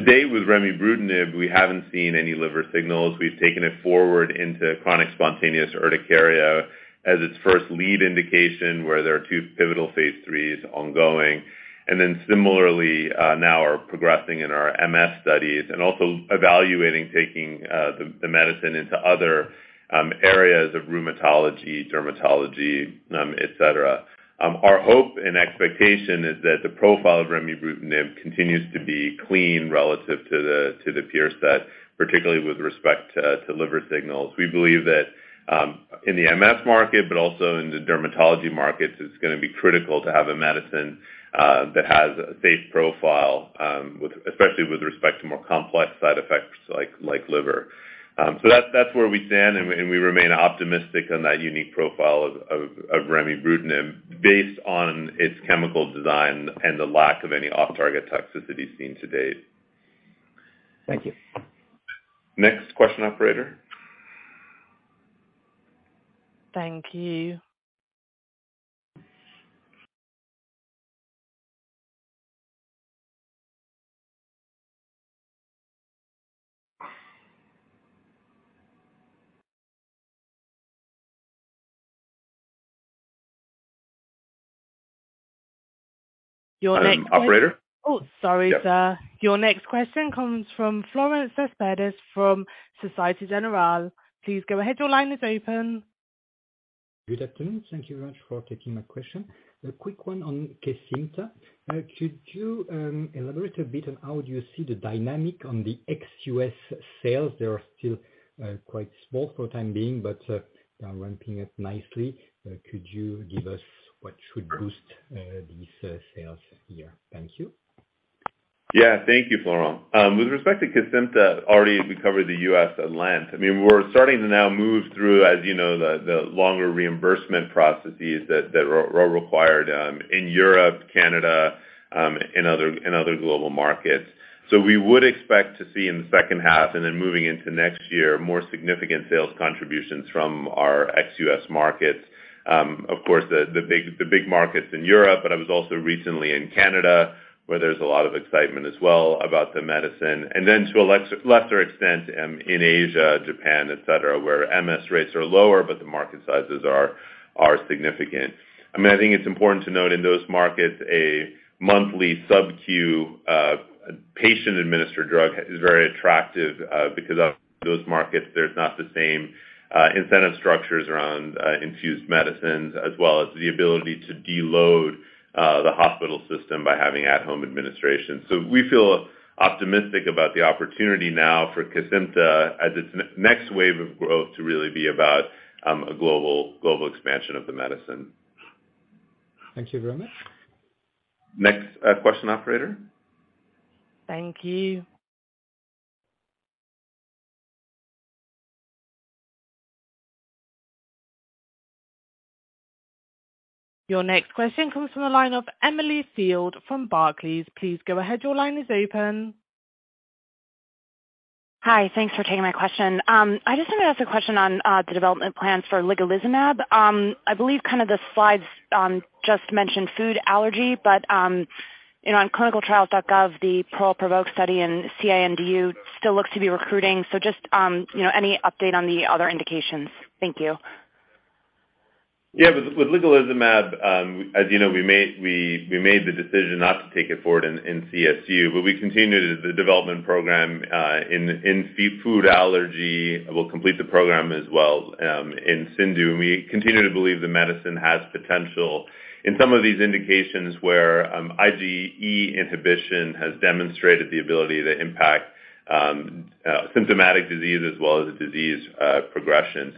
date with remibrutinib, we haven't seen any liver signals. We've taken it forward into chronic spontaneous urticaria as its first lead indication, where there are two pivotal Phase 3s ongoing. Then similarly, now are progressing in our MS studies and also evaluating taking the medicine into other areas of rheumatology, dermatology, et cetera. Our hope and expectation is that the profile of remibrutinib continues to be clean relative to the peer set, particularly with respect to liver signals. We believe that in the MS market, but also in the dermatology markets, it's gonna be critical to have a medicine that has a safe profile with especially with respect to more complex side effects like liver. That's where we stand, and we remain optimistic on that unique profile of remibrutinib based on its chemical design and the lack of any off-target toxicity seen to date. Thank you. Next question, operator. Thank you. Operator? Oh, sorry, sir. Yeah. Your next question comes from Florent Cespedes from Société Générale. Please go ahead. Your line is open. Good afternoon. Thank you very much for taking my question. A quick one on Kesimpta. Could you elaborate a bit on how would you see the dynamic on the ex-US sales? They are still quite small for the time being, but they are ramping up nicely. Could you give us what should boost these sales here? Thank you. Yeah. Thank you, Florent. With respect to Kesimpta, already we covered the U.S. at length. I mean, we're starting to now move through, as you know, the longer reimbursement processes that required in Europe, Canada, and other global markets. We would expect to see in the second half and then moving into next year, more significant sales contributions from our ex-U.S. markets. Of course the big markets in Europe, but I was also recently in Canada, where there's a lot of excitement as well about the medicine. Then to a lesser extent, in Asia, Japan, et cetera, where MS rates are lower, but the market sizes are significant. I mean, I think it's important to note in those markets a monthly sub-Q patient-administered drug is very attractive because of those markets there's not the same incentive structures around infused medicines as well as the ability to deload the hospital system by having at-home administration. We feel optimistic about the opportunity now for Kesimpta as its next wave of growth to really be about a global expansion of the medicine. Thank you very much. Next question, operator. Thank you. Your next question comes from the line of Emily Field from Barclays. Please go ahead. Your line is open. Hi. Thanks for taking my question. I just wanted to ask a question on the development plans for ligelizumab. I believe kind of the slides just mentioned food allergy, but you know, on ClinicalTrials.gov, the PEARL-PROVOKE study in CINDU still looks to be recruiting. Just you know, any update on the other indications? Thank you. Yeah. With ligelizumab, as you know, we made the decision not to take it forward in CSU, but we continued the development program in food allergy. We'll complete the program as well in CINDU, and we continue to believe the medicine has potential in some of these indications where IgE inhibition has demonstrated the ability to impact symptomatic disease as well as the disease progression.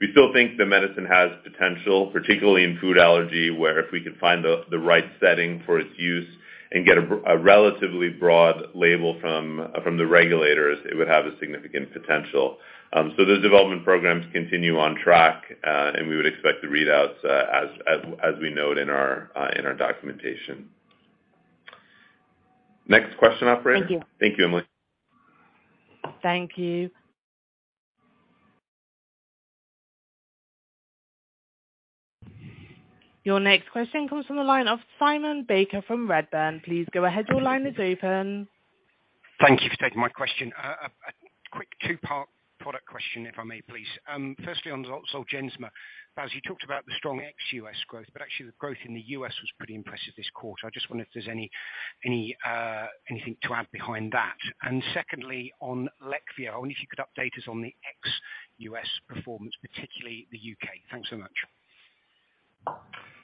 We still think the medicine has potential, particularly in food allergy, where if we could find the right setting for its use and get a relatively broad label from the regulators, it would have a significant potential. Those development programs continue on track, and we would expect the readouts as we note in our documentation. Next question operator. Thank you. Thank you, Emily. Thank you. Your next question comes from the line of Simon Baker from Redburn. Please go ahead. Your line is open. Thank you for taking my question. A quick two-part product question, if I may please. Firstly, on Zolgensma. Vas, you talked about the strong ex-US growth, but actually the growth in the US was pretty impressive this quarter. I just wonder if there's anything to add behind that. Secondly, on Leqvio, I wonder if you could update us on the ex-US performance, particularly the UK. Thanks so much.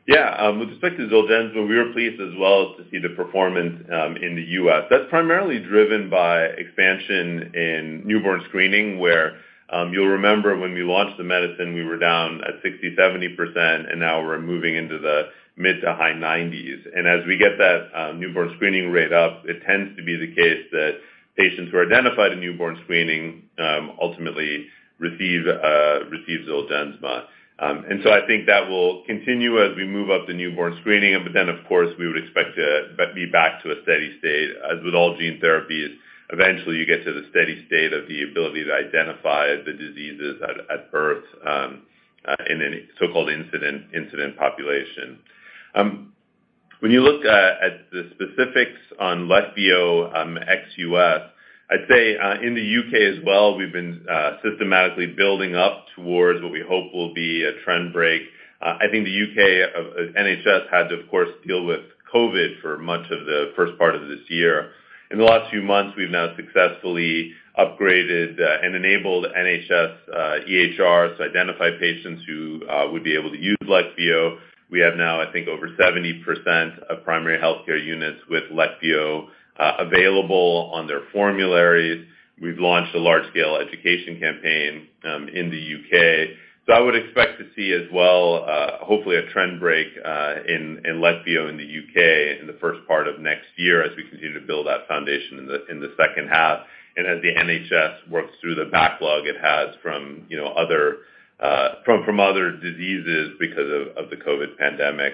Yeah. With respect to Zolgensma, we were pleased as well to see the performance in the U.S. That's primarily driven by expansion in newborn screening, where you'll remember when we launched the medicine, we were down at 60%-70%, and now we're moving into the mid to high 90s%. As we get that newborn screening rate up, it tends to be the case that patients who are identified in newborn screening ultimately receive Zolgensma. I think that will continue as we move up the newborn screening, but then of course, we would expect to be back to a steady state. As with all gene therapies, eventually you get to the steady state of the ability to identify the diseases at birth in any so-called incident population. When you look at the specifics on Leqvio, ex U.S., I'd say in the U.K. as well, we've been systematically building up towards what we hope will be a trend break. I think the U.K. NHS had to of course deal with COVID for much of the first part of this year. In the last few months, we've now successfully upgraded and enabled NHS EHRs to identify patients who would be able to use Leqvio. We have now, I think, over 70% of primary healthcare units with Leqvio available on their formularies. We've launched a large-scale education campaign in the U.K. I would expect to see as well, hopefully a trend break in Leqvio in the UK in the first part of next year as we continue to build that foundation in the second half and as the NHS works through the backlog it has from, you know, other diseases because of the COVID pandemic.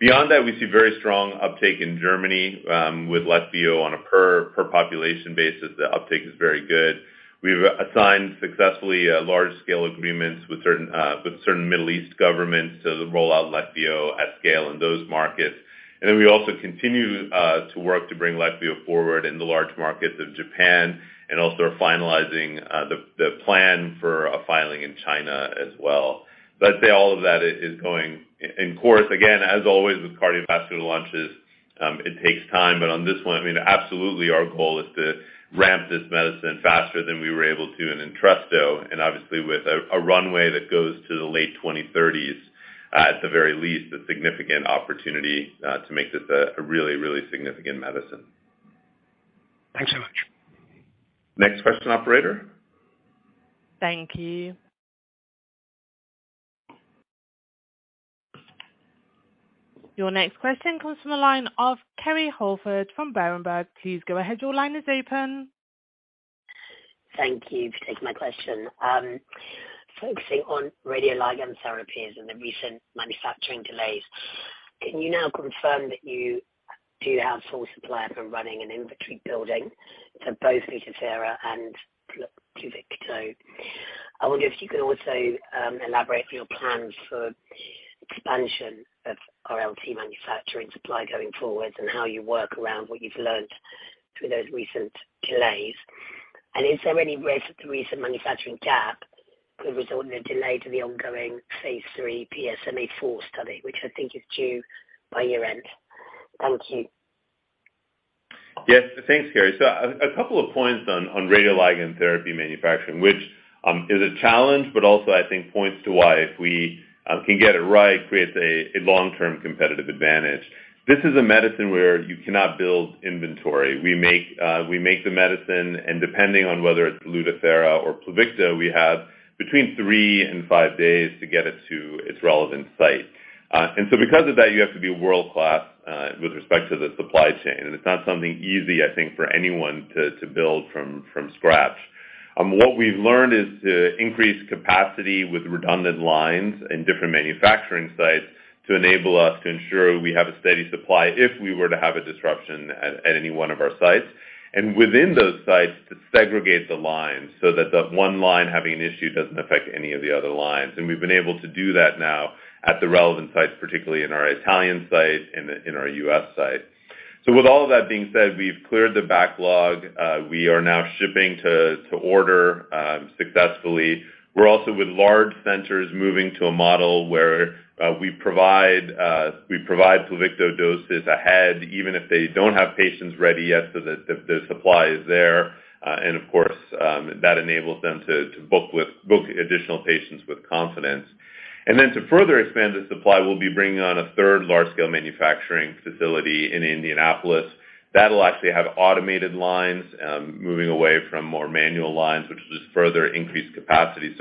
Beyond that, we see very strong uptake in Germany with Leqvio on a per population basis. The uptake is very good. We've signed successfully large scale agreements with certain Middle East governments to roll out Leqvio at scale in those markets. We also continue to work to bring Leqvio forward in the large markets of Japan and also are finalizing the plan for a filing in China as well. I'd say all of that is going on course. Again, as always with cardiovascular launches, it takes time, but on this one, I mean, absolutely our goal is to ramp this medicine faster than we were able to in Entresto, and obviously with a runway that goes to the late 2030s, at the very least, a significant opportunity to make this a really significant medicine. Thanks so much. Next question, operator. Thank you. Your next question comes from the line of Kerry Holford from Berenberg. Please go ahead. Your line is open. Thank you for taking my question. Focusing on radioligand therapies and the recent manufacturing delays, can you now confirm that you do have a sole supplier or running an inventory build-up to both Lutathera and Pluvicto? I wonder if you can also elaborate on your plans for expansion of RLT manufacturing supply going forward and how you work around what you've learned through those recent delays. Is there any risk that the recent manufacturing gap could result in a delay to the ongoing phase 3 PSMAfore study, which I think is due by year-end? Thank you. Yes. Thanks, Kerry. A couple of points on radioligand therapy manufacturing, which is a challenge, but also I think points to why if we can get it right, creates a long-term competitive advantage. This is a medicine where you cannot build inventory. We make the medicine, and depending on whether it's Lutathera or Pluvicto, we have between 3 and 5 days to get it to its relevant site. Because of that, you have to be world-class with respect to the supply chain. It's not something easy, I think, for anyone to build from scratch. What we've learned is to increase capacity with redundant lines in different manufacturing sites to enable us to ensure we have a steady supply if we were to have a disruption at any one of our sites. Within those sites, to segregate the lines so that the one line having an issue doesn't affect any of the other lines. We've been able to do that now at the relevant sites, particularly in our Italian site, in our US site. With all of that being said, we've cleared the backlog. We are now shipping to order successfully. We're also with large centers moving to a model where we provide Pluvicto doses ahead, even if they don't have patients ready yet so that the supply is there. Of course, that enables them to book additional patients with confidence. To further expand the supply, we'll be bringing on a third large scale manufacturing facility in Indianapolis. That'll actually have automated lines, moving away from more manual lines, which will just further increase capacity.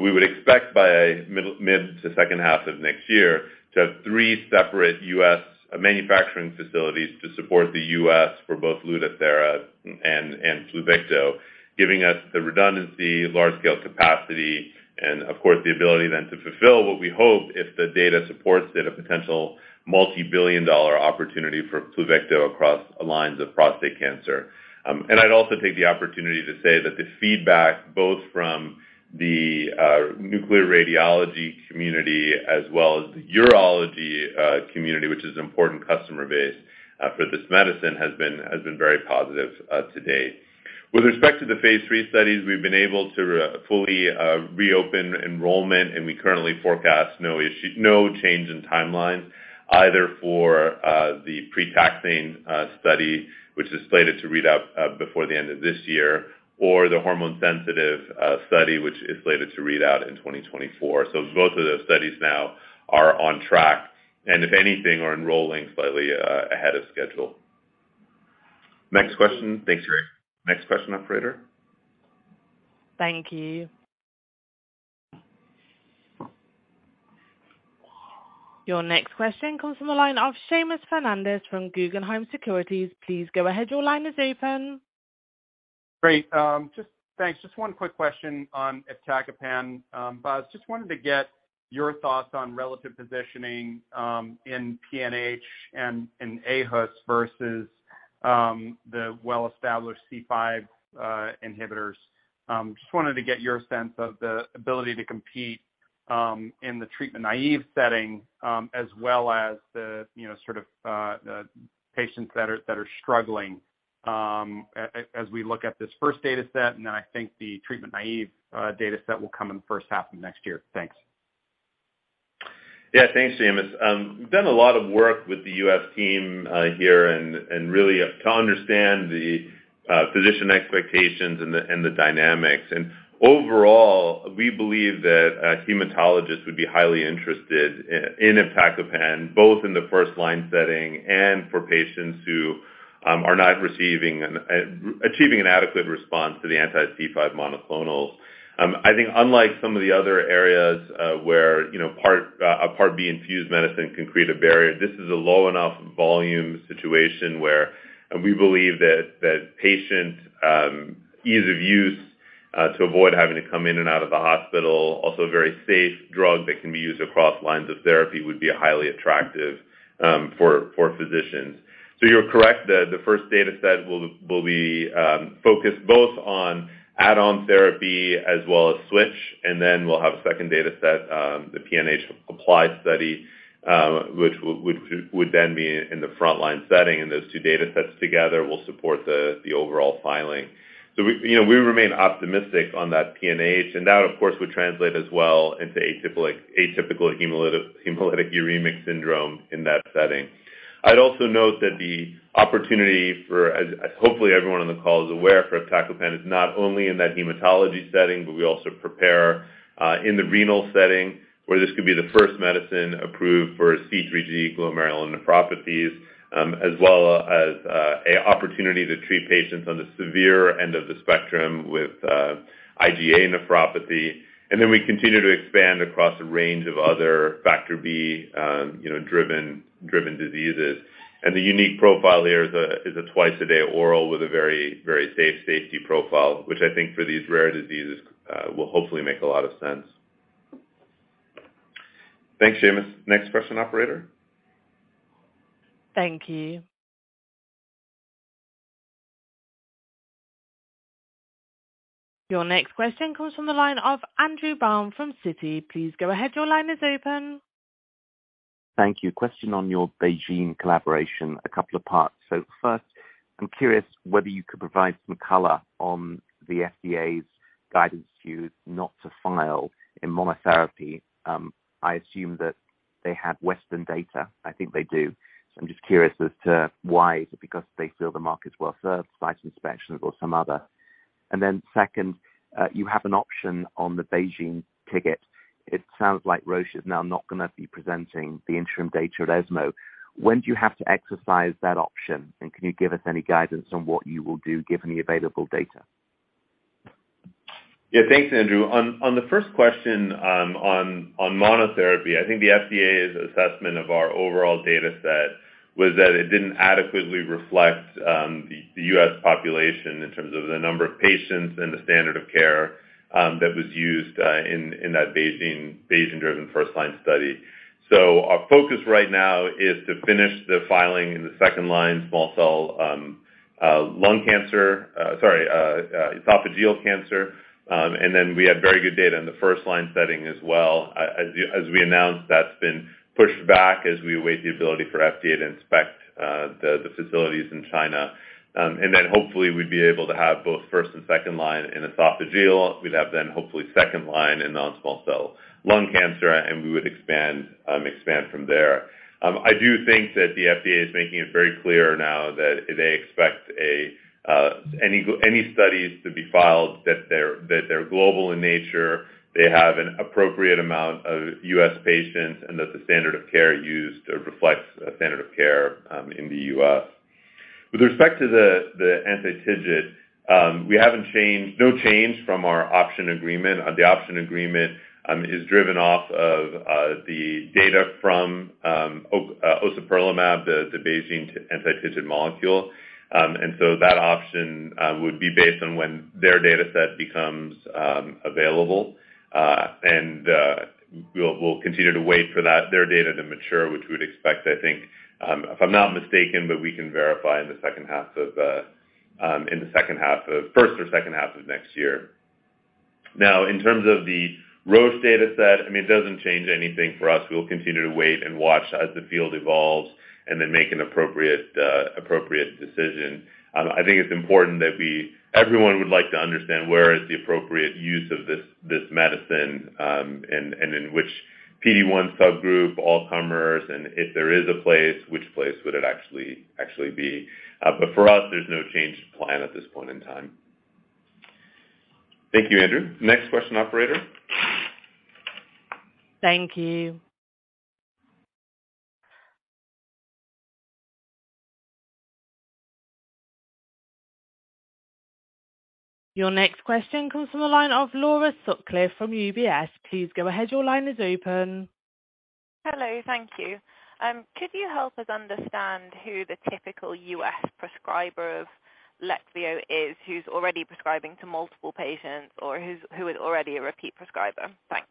We would expect by mid to second half of next year to have three separate U.S. manufacturing facilities to support the U.S. for both Lutathera and Pluvicto. Giving us the redundancy, large scale capacity and, of course, the ability then to fulfill what we hope if the data supports it, a potential multi-billion dollar opportunity for Pluvicto across lines of prostate cancer. I'd also take the opportunity to say that the feedback, both from the nuclear radiology community as well as the urology community, which is an important customer base for this medicine, has been very positive to date. With respect to the phase 3 studies, we've been able to fully reopen enrollment, and we currently forecast no change in timelines, either for the pre-taxane study, which is slated to read out before the end of this year, or the hormone-sensitive study, which is slated to read out in 2024. Both of those studies now are on track, and if anything, are enrolling slightly ahead of schedule. Next question. Thanks, Kerry. Next question, operator. Thank you. Your next question comes from the line of Seamus Fernandez from Guggenheim Securities. Please go ahead. Your line is open. Great. Thanks. Just one quick question on iptacopan. I just wanted to get your thoughts on relative positioning in PNH and in aHUS versus the well-established C5 inhibitors. Just wanted to get your sense of the ability to compete in the treatment-naive setting, as well as the, you know, sort of, the patients that are struggling, as we look at this first data set, and then I think the treatment-naive data set will come in the first half of next year. Thanks. Yeah. Thanks, Seamus. We've done a lot of work with the U.S. team here and really to understand the physician expectations and the dynamics. Overall, we believe that hematologists would be highly interested in iptacopan, both in the first line setting and for patients who are not achieving an adequate response to the anti-C5 monoclonals. I think unlike some of the other areas where, you know, Part B infused medicine can create a barrier, this is a low enough volume situation where we believe that patient ease of use to avoid having to come in and out of the hospital, also a very safe drug that can be used across lines of therapy would be highly attractive for physicians. You're correct. The first data set will be focused both on add-on therapy as well as switch, and then we'll have a second data set, the APPLY-PNH study, which would then be in the front-line setting, and those two data sets together will support the overall filing. You know, we remain optimistic on that PNH, and that, of course, would translate as well into atypical hemolytic uremic syndrome in that setting. I'd also note that the opportunity for, as hopefully everyone on the call is aware, for iptacopan is not only in that hematology setting, but we also have a program in the renal setting, where this could be the first medicine approved for C3G glomerulonephropathies, as well as an opportunity to treat patients on the severe end of the spectrum with IgA nephropathy. Then we continue to expand across a range of other Factor B, you know, driven diseases. The unique profile here is a twice-a-day oral with a very safe safety profile, which I think for these rare diseases, will hopefully make a lot of sense. Thanks, Seamus. Next question, operator. Thank you. Your next question comes from the line of Andrew Baum from Citi. Please go ahead. Your line is open. Thank you. Question on your BeiGene collaboration, a couple of parts. First, I'm curious whether you could provide some color on the FDA's guidance to you not to file in monotherapy. I assume that they have Western data. I think they do. I'm just curious as to why. Is it because they feel the market is well served, site inspections or some other? Second, you have an option on the BeiGene TIGIT. It sounds like Roche is now not gonna be presenting the interim data at ESMO. When do you have to exercise that option? Can you give us any guidance on what you will do given the available data? Yeah. Thanks, Andrew. On the first question, on monotherapy, I think the FDA's assessment of our overall data set was that it didn't adequately reflect the US population in terms of the number of patients and the standard of care that was used in that Beijing-driven first line study. Our focus right now is to finish the filing in the second line esophageal cancer, and then we have very good data in the first line setting as well. As we announced, that's been pushed back as we await the ability for FDA to inspect the facilities in China. Then hopefully we'd be able to have both first and second line in esophageal. We'd have then hopefully second line in non-small cell lung cancer, and we would expand from there. I do think that the FDA is making it very clear now that they expect any studies to be filed, that they're global in nature, they have an appropriate amount of U.S. patients, and that the standard of care used reflects a standard of care in the U.S. With respect to the anti-TIGIT, we haven't changed. No change from our option agreement. The option agreement is driven off of the data from ociperlimab, the BeiGene anti-TIGIT molecule. That option would be based on when their data set becomes available. We'll continue to wait for that, their data to mature, which we'd expect, I think, if I'm not mistaken, but we can verify in the first or second half of next year. Now, in terms of the Roche data set, I mean, it doesn't change anything for us. We will continue to wait and watch as the field evolves and then make an appropriate decision. I think it's important that everyone would like to understand where is the appropriate use of this medicine, and in which PD-1 subgroup, all comers, and if there is a place, which place would it actually be? For us, there's no change to plan at this point in time. Thank you, Andrew. Next question, operator. Thank you. Your next question comes from the line of Laura Sutcliffe from UBS. Please go ahead. Your line is open. Hello. Thank you. Could you help us understand who the typical U.S. prescriber of Leqvio is, who's already prescribing to multiple patients or who is already a repeat prescriber? Thanks.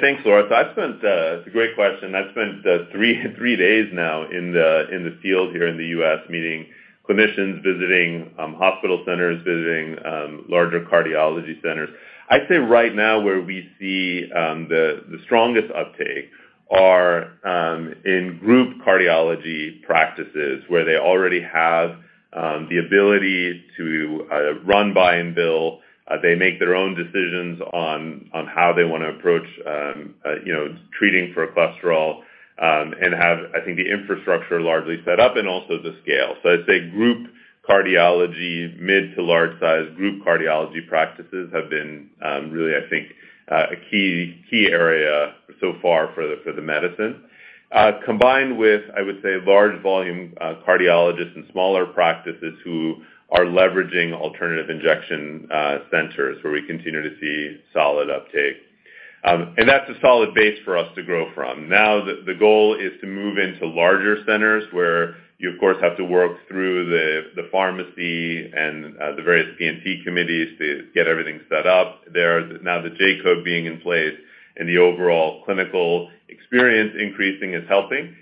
Thanks, Laura. It's a great question. I've spent three days now in the field here in the U.S. meeting clinicians, visiting hospital centers, visiting larger cardiology centers. I'd say right now, where we see the strongest uptake are in group cardiology practices where they already have the ability to buy and bill. They make their own decisions on how they wanna approach, you know, treating for cholesterol, and have, I think, the infrastructure largely set up and also the scale. I'd say group cardiology, mid to large size group cardiology practices have been really, I think, a key area so far for the medicine. Combined with, I would say, large volume cardiologists and smaller practices who are leveraging alternative injection centers where we continue to see solid uptake. That's a solid base for us to grow from. The goal is to move into larger centers where you of course have to work through the pharmacy and the various P&T committees to get everything set up there. The J-code being in place and the overall clinical experience increasing is helping.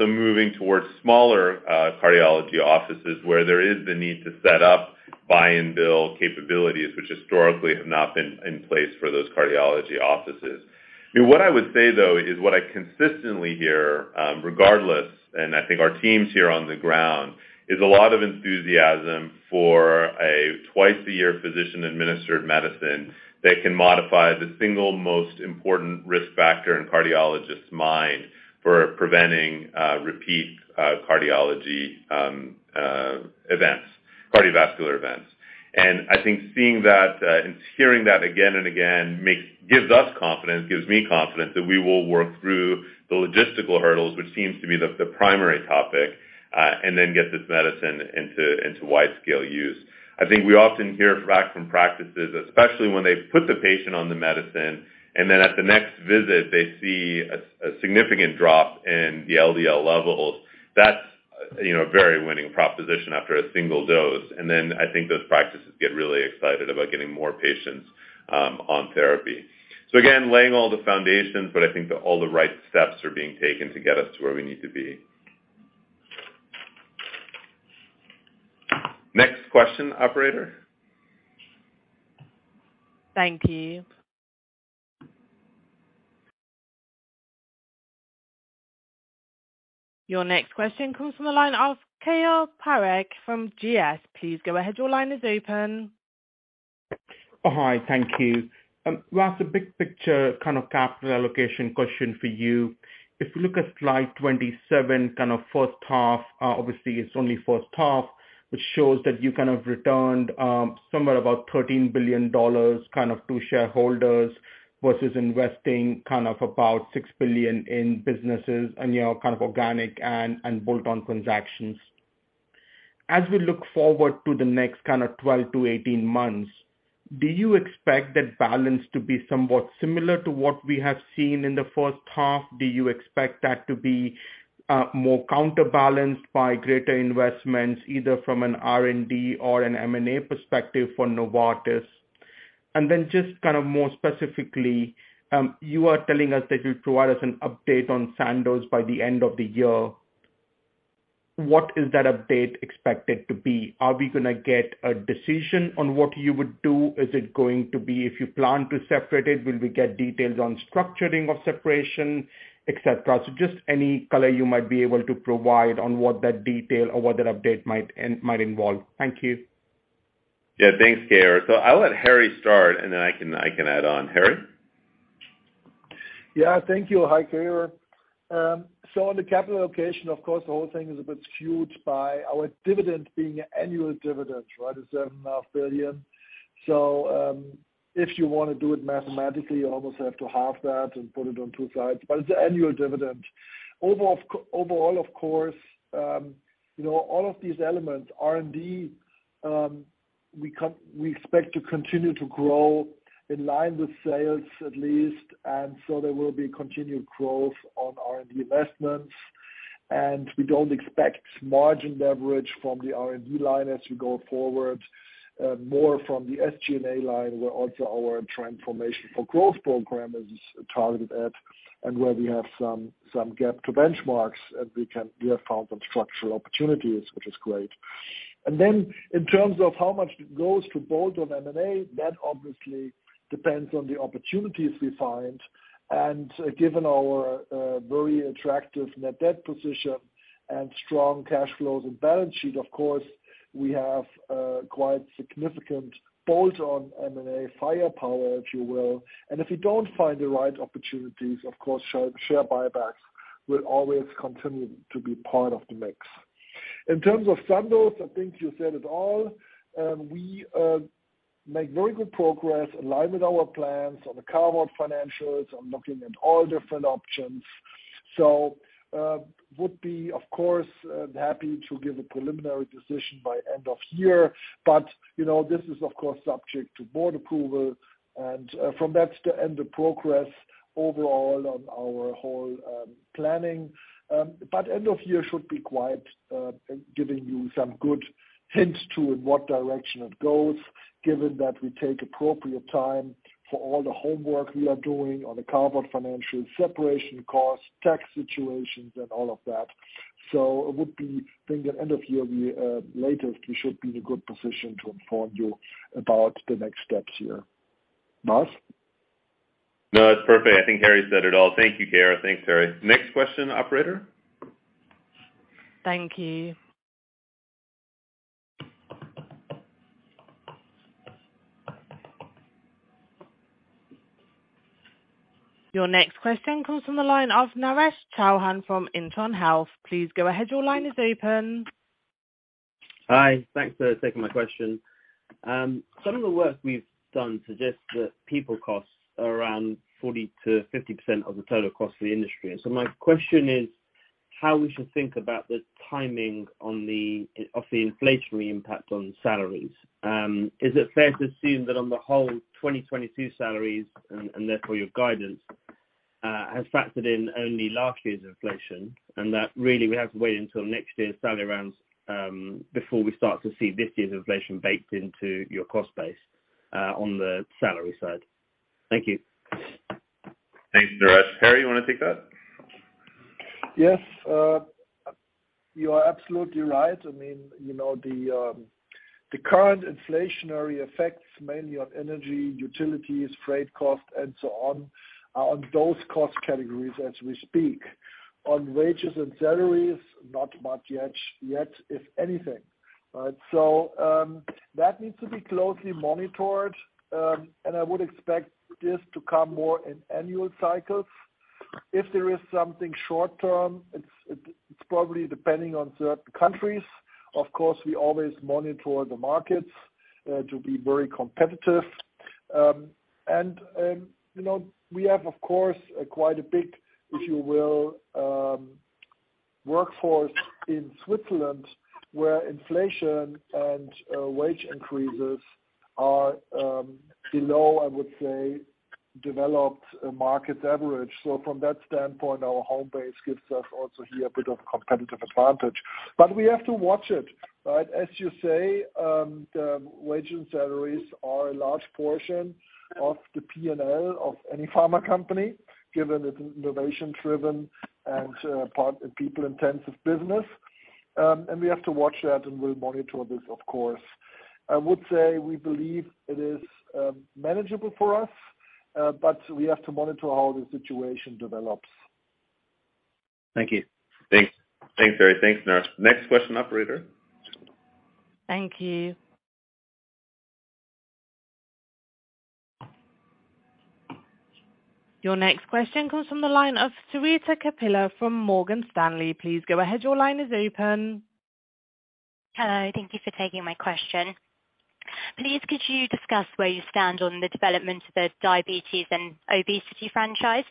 Moving towards smaller cardiology offices where there is the need to set up buy and bill capabilities which historically have not been in place for those cardiology offices. I mean, what I would say though is what I consistently hear, regardless, and I think our teams here on the ground, is a lot of enthusiasm for a twice-a-year physician-administered medicine that can modify the single most important risk factor in cardiologists' mind for preventing repeat cardiovascular events. I think seeing that and hearing that again and again gives us confidence, gives me confidence that we will work through the logistical hurdles, which seems to be the primary topic, and then get this medicine into wide scale use. I think we often hear back from practices, especially when they've put the patient on the medicine, and then at the next visit they see a significant drop in the LDL levels. That's, you know, a very winning proposition after a single dose. I think those practices get really excited about getting more patients on therapy. Again, laying all the foundations, but I think that all the right steps are being taken to get us to where we need to be. Next question, operator. Thank you. Your next question comes from the line of Keyur Parekh from GS. Please go ahead. Your line is open. Hi. Thank you. Vas, a big picture kind of capital allocation question for you. If you look at slide 27, kind of first half, obviously it's only first half, which shows that you kind of returned somewhere about $13 billion kind of to shareholders versus investing kind of about $6 billion in businesses and, you know, kind of organic and bolt-on transactions. As we look forward to the next kind of 12-18 months, do you expect that balance to be somewhat similar to what we have seen in the first half? Do you expect that to be more counterbalanced by greater investments, either from an R&D or an M&A perspective for Novartis? Then just kind of more specifically, you are telling us that you'll provide us an update on Sandoz by the end of the year. What is that update expected to be? Are we gonna get a decision on what you would do? Is it going to be if you plan to separate it, will we get details on structuring of separation, et cetera? Just any color you might be able to provide on what that detail or what that update might involve. Thank you. Yeah, thanks, Keyur. I'll let Harry start, and then I can add on. Harry? Yeah, thank you. Hi, Keyur. On the capital allocation, of course, the whole thing is a bit skewed by our dividend being an annual dividend, right? It's $7.5 billion. If you wanna do it mathematically, you almost have to half that and put it on two sides, but it's an annual dividend. Overall, of course, you know, all of these elements, R&D, we expect to continue to grow in line with sales at least, and so there will be continued growth on R&D investments. We don't expect margin leverage from the R&D line as we go forward. More from the SG&A line, where also our transformation for growth program is targeted at and where we have some gap to benchmarks, and we have found some structural opportunities, which is great. In terms of how much it goes to bolt-on M&A, that obviously depends on the opportunities we find. Given our very attractive net debt position and strong cash flows and balance sheet, of course, we have quite significant bolt-on M&A firepower, if you will. If we don't find the right opportunities, of course, share buybacks will always continue to be part of the mix. In terms of Sandoz, I think you said it all. We make very good progress, align with our plans on the carve-out financials on looking at all different options. Would be, of course, happy to give a preliminary decision by end of year. You know, this is, of course, subject to board approval and from that and the progress overall on our whole planning. End of year should be quite giving you some good hints to in what direction it goes, given that we take appropriate time for all the homework we are doing on the carve-out financials, separation costs, tax situations and all of that. It would be then the end of year later we should be in a good position to inform you about the next steps here. Vas? No, it's perfect. I think Harry said it all. Thank you, Keyur. Thanks, Harry. Next question, operator. Thank you. Your next question comes from the line of Naresh Chouhan from Intron Health. Please go ahead. Your line is open. Hi. Thanks for taking my question. Some of the work we've done suggests that people costs are around 40%-50% of the total cost for the industry. My question is, how we should think about the timing of the inflationary impact on salaries. Is it fair to assume that on the whole 2022 salaries and therefore your guidance has factored in only last year's inflation and that really we have to wait until next year's salary rounds before we start to see this year's inflation baked into your cost base on the salary side? Thank you. Thanks, Naresh. Harry, you wanna take that? Yes. You are absolutely right. I mean, you know, the current inflationary effects mainly on energy, utilities, freight costs and so on are on those cost categories as we speak. On wages and salaries, not much yet, if anything. All right. That needs to be closely monitored, and I would expect this to come more in annual cycles. If there is something short term, it's probably depending on certain countries. Of course, we always monitor the markets to be very competitive. You know, we have, of course, quite a big, if you will, workforce in Switzerland where inflation and wage increases are below, I would say, developed market average. From that standpoint, our home base gives us also here a bit of competitive advantage. We have to watch it, right? As you say, the wages and salaries are a large portion of the P&L of any pharma company, given it's innovation-driven and people-intensive business. We have to watch that and we'll monitor this of course. I would say we believe it is manageable for us, but we have to monitor how the situation develops. Thank you. Thanks. Thanks, Harry. Thanks, Naresh. Next question, operator. Thank you. Your next question comes from the line of Sarita Kapila from Morgan Stanley. Please go ahead. Your line is open. Hello. Thank you for taking my question. Please could you discuss where you stand on the development of the diabetes and obesity franchise?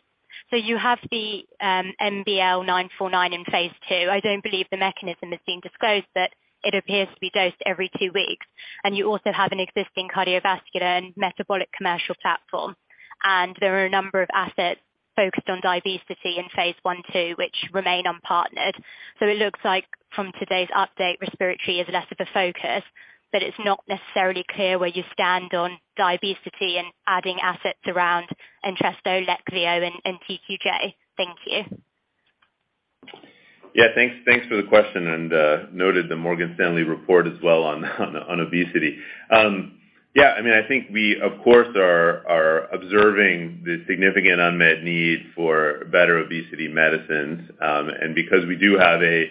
You have the MBL949 in phase 2. I don't believe the mechanism has been disclosed, but it appears to be dosed every 2 weeks. You also have an existing cardiovascular and metabolic commercial platform. There are a number of assets focused on diabesity in phase 1/2, which remain unpartnered. It looks like from today's update, respiratory is less of a focus, but it's not necessarily clear where you stand on diabesity and adding assets around Entresto, Leqvio and TQJ230. Thank you. Yeah, thanks for the question, and noted the Morgan Stanley report as well on obesity. Yeah, I mean, I think we, of course, are observing the significant unmet need for better obesity medicines. Because we do have a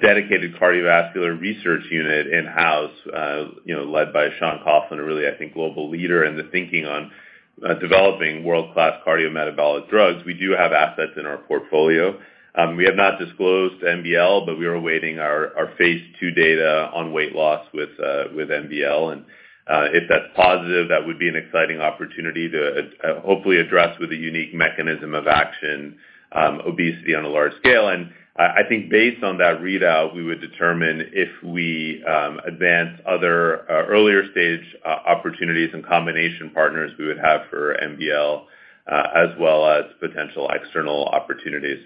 dedicated cardiovascular research unit in-house, you know, led by Sean Coffey, a really, I think, global leader in the thinking on developing world-class cardiometabolic drugs, we do have assets in our portfolio. We have not disclosed MBL, but we are awaiting our phase 2 data on weight loss with MBL. If that's positive, that would be an exciting opportunity to hopefully address with a unique mechanism of action obesity on a large scale. I think based on that readout, we would determine if we advance other earlier stage opportunities and combination partners we would have for MBL, as well as potential external opportunities.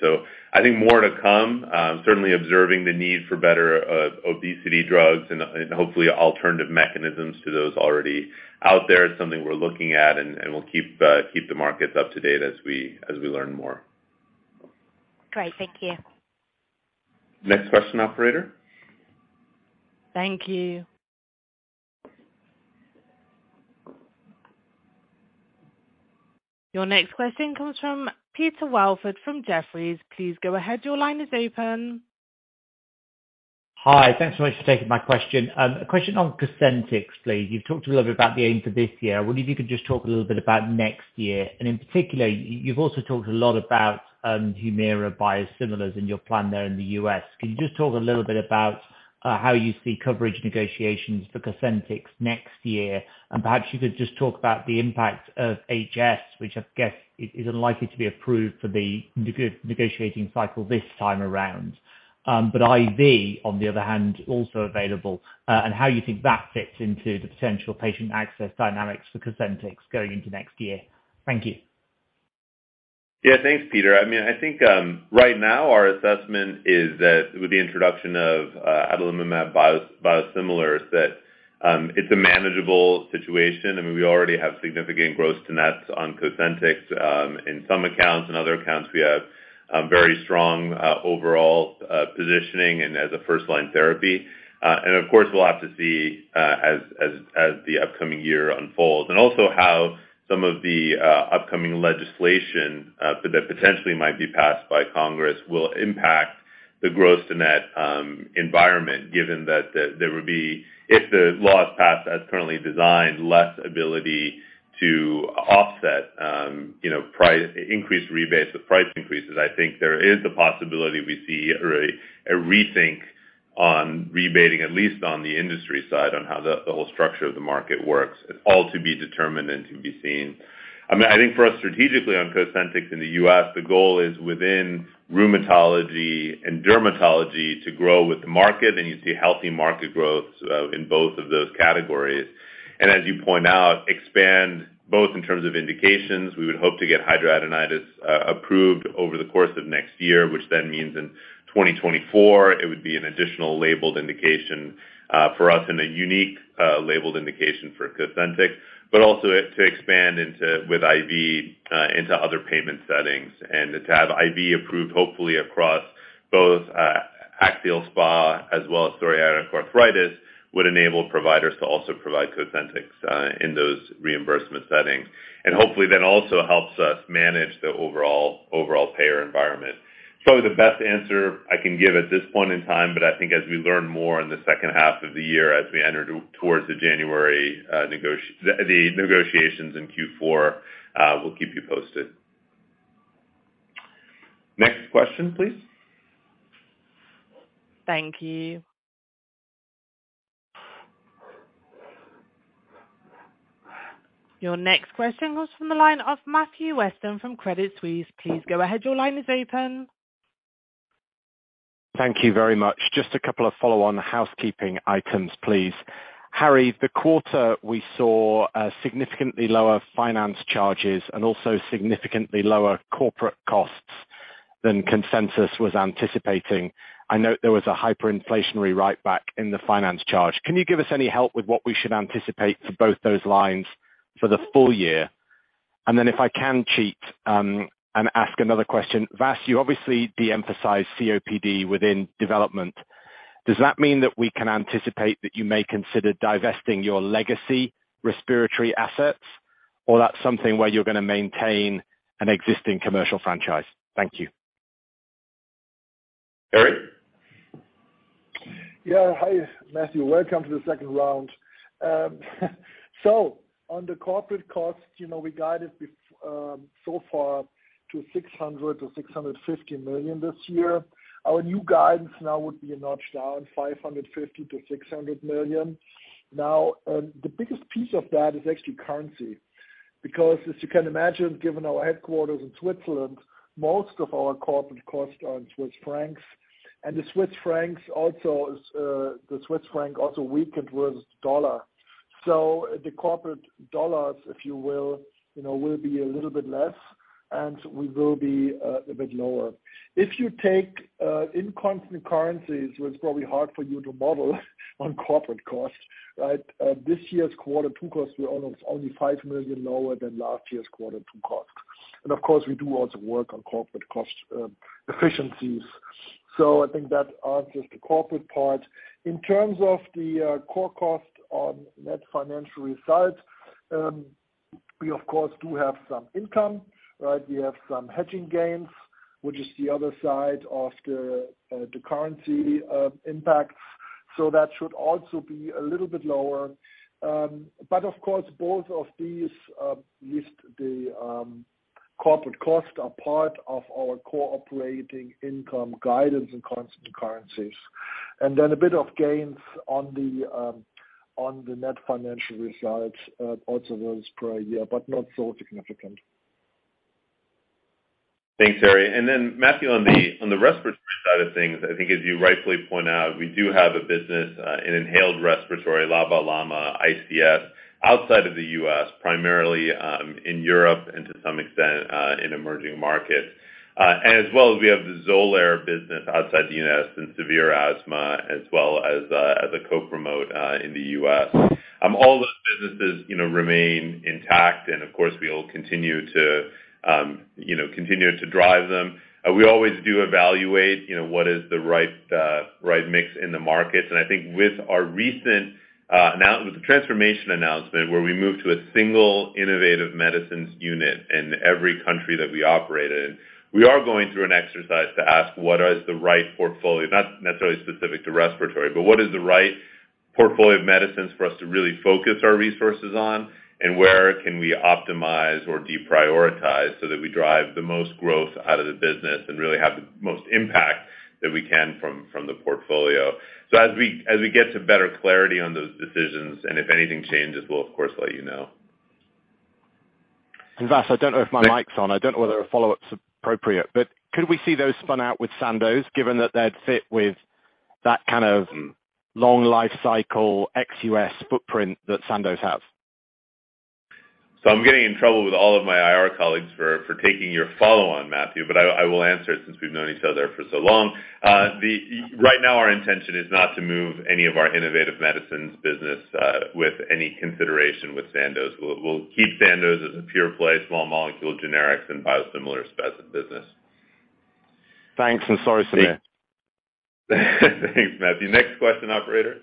I think more to come. Certainly observing the need for better obesity drugs and hopefully alternative mechanisms to those already out there is something we're looking at, and we'll keep the markets up to date as we learn more. Great. Thank you. Next question, operator. Thank you. Your next question comes from Peter Welford from Jefferies. Please go ahead. Your line is open. Hi. Thanks so much for taking my question. A question on Cosentyx, please. You've talked a little bit about the aim for this year. I wonder if you could just talk a little bit about next year. In particular, you've also talked a lot about Humira biosimilars in your plan there in the U.S. Can you just talk a little bit about how you see coverage negotiations for Cosentyx next year? Perhaps you could just talk about the impact of HS, which I guess is unlikely to be approved for the negotiating cycle this time around. But IV, on the other hand, also available, and how you think that fits into the potential patient access dynamics for Cosentyx going into next year. Thank you. Yeah. Thanks, Peter. I mean, I think right now our assessment is that with the introduction of Adalimumab biosimilars, it's a manageable situation. I mean, we already have significant gross to nets on Cosentyx in some accounts. In other accounts, we have very strong overall positioning and as a first-line therapy. Of course, we'll have to see as the upcoming year unfolds and also how some of the upcoming legislation that potentially might be passed by Congress will impact the gross to net environment, given that there would be, if the law is passed as currently designed, less ability to offset you know, increased rebates with price increases. I think there is a possibility we see a rethink on rebating, at least on the industry side, on how the whole structure of the market works. It's all to be determined and to be seen. I mean, I think for us strategically on Cosentyx in the US, the goal is within rheumatology and dermatology to grow with the market, and you see healthy market growth in both of those categories. As you point out, expand both in terms of indications. We would hope to get hidradenitis approved over the course of next year, which then means in 2024, it would be an additional labeled indication for us and a unique labeled indication for Cosentyx, but also it to expand into with IV into other payment settings. To have IV approved, hopefully across both axial SpA as well as psoriatic arthritis, would enable providers to also provide Cosentyx in those reimbursement settings. Hopefully that also helps us manage the overall payer environment. It's probably the best answer I can give at this point in time, but I think as we learn more in the second half of the year, as we enter towards the January negotiations in Q4, we'll keep you posted. Next question, please. Thank you. Your next question comes from the line of Matthew Weston from Credit Suisse. Please go ahead. Your line is open. Thank you very much. Just a couple of follow-on housekeeping items, please. Harry, the quarter we saw significantly lower finance charges and also significantly lower corporate costs than consensus was anticipating. I know there was a hyperinflationary write back in the finance charge. Can you give us any help with what we should anticipate for both those lines for the full year? If I can cheat and ask another question: Vas, you obviously deemphasized COPD within development. Does that mean that we can anticipate that you may consider divesting your legacy respiratory assets, or that's something where you're gonna maintain an existing commercial franchise? Thank you. Harry? Yeah. Hi, Matthew. Welcome to the second round. On the corporate costs, you know, we guided so far to $600 million-$650 million this year. Our new guidance now would be a notch down, $550 million-$600 million. Now, the biggest piece of that is actually currency. Because as you can imagine, given our headquarters in Switzerland, most of our corporate costs are in Swiss francs, and the Swiss franc also weakened with dollar. The corporate dollars, if you will, you know, will be a little bit less, and we will be a bit lower. If you take in constant currencies, where it's probably hard for you to model on corporate costs, right? This year's quarter two costs were almost only $5 million lower than last year's quarter two costs. Of course, we do also work on corporate cost efficiencies. I think that answers the corporate part. In terms of the core costs and net financial results, we of course do have some income, right? We have some hedging gains, which is the other side of the currency impacts. That should also be a little bit lower. Of course, both of these list the Corporate costs are part of our core operating income guidance in constant currencies. A bit of gains on the net financial results, also those per year, but not so significant. Thanks, Harry. Matthew, on the respiratory side of things, I think as you rightfully point out, we do have a business in inhaled respiratory LABA/LAMA/ICS outside of the US, primarily in Europe and to some extent in emerging markets. As well as we have the Xolair business outside the US in severe asthma, as well as as a co-promote in the US. All those businesses, you know, remain intact and of course, we'll continue to drive them. We always do evaluate, you know, what is the right mix in the markets. I think with our recent announcement, where we moved to a single innovative medicines unit in every country that we operate in, we are going through an exercise to ask what is the right portfolio, not necessarily specific to respiratory, but what is the right portfolio of medicines for us to really focus our resources on, and where can we optimize or deprioritize so that we drive the most growth out of the business and really have the most impact that we can from the portfolio. As we get to better clarity on those decisions and if anything changes, we'll of course let you know. Vas, I don't know if my mic's on. I don't know whether a follow-up's appropriate. Could we see those spun out with Sandoz, given that they'd fit with that kind of long life cycle ex-US footprint that Sandoz has? I'm getting in trouble with all of my IR colleagues for taking your follow on, Matthew, but I will answer it since we've known each other for so long. Right now our intention is not to move any of our innovative medicines business with any consideration with Sandoz. We'll keep Sandoz as a pure play, small molecule generics and biosimilars business. Thanks, and sorry Sir. Thanks, Matthew. Next question, operator.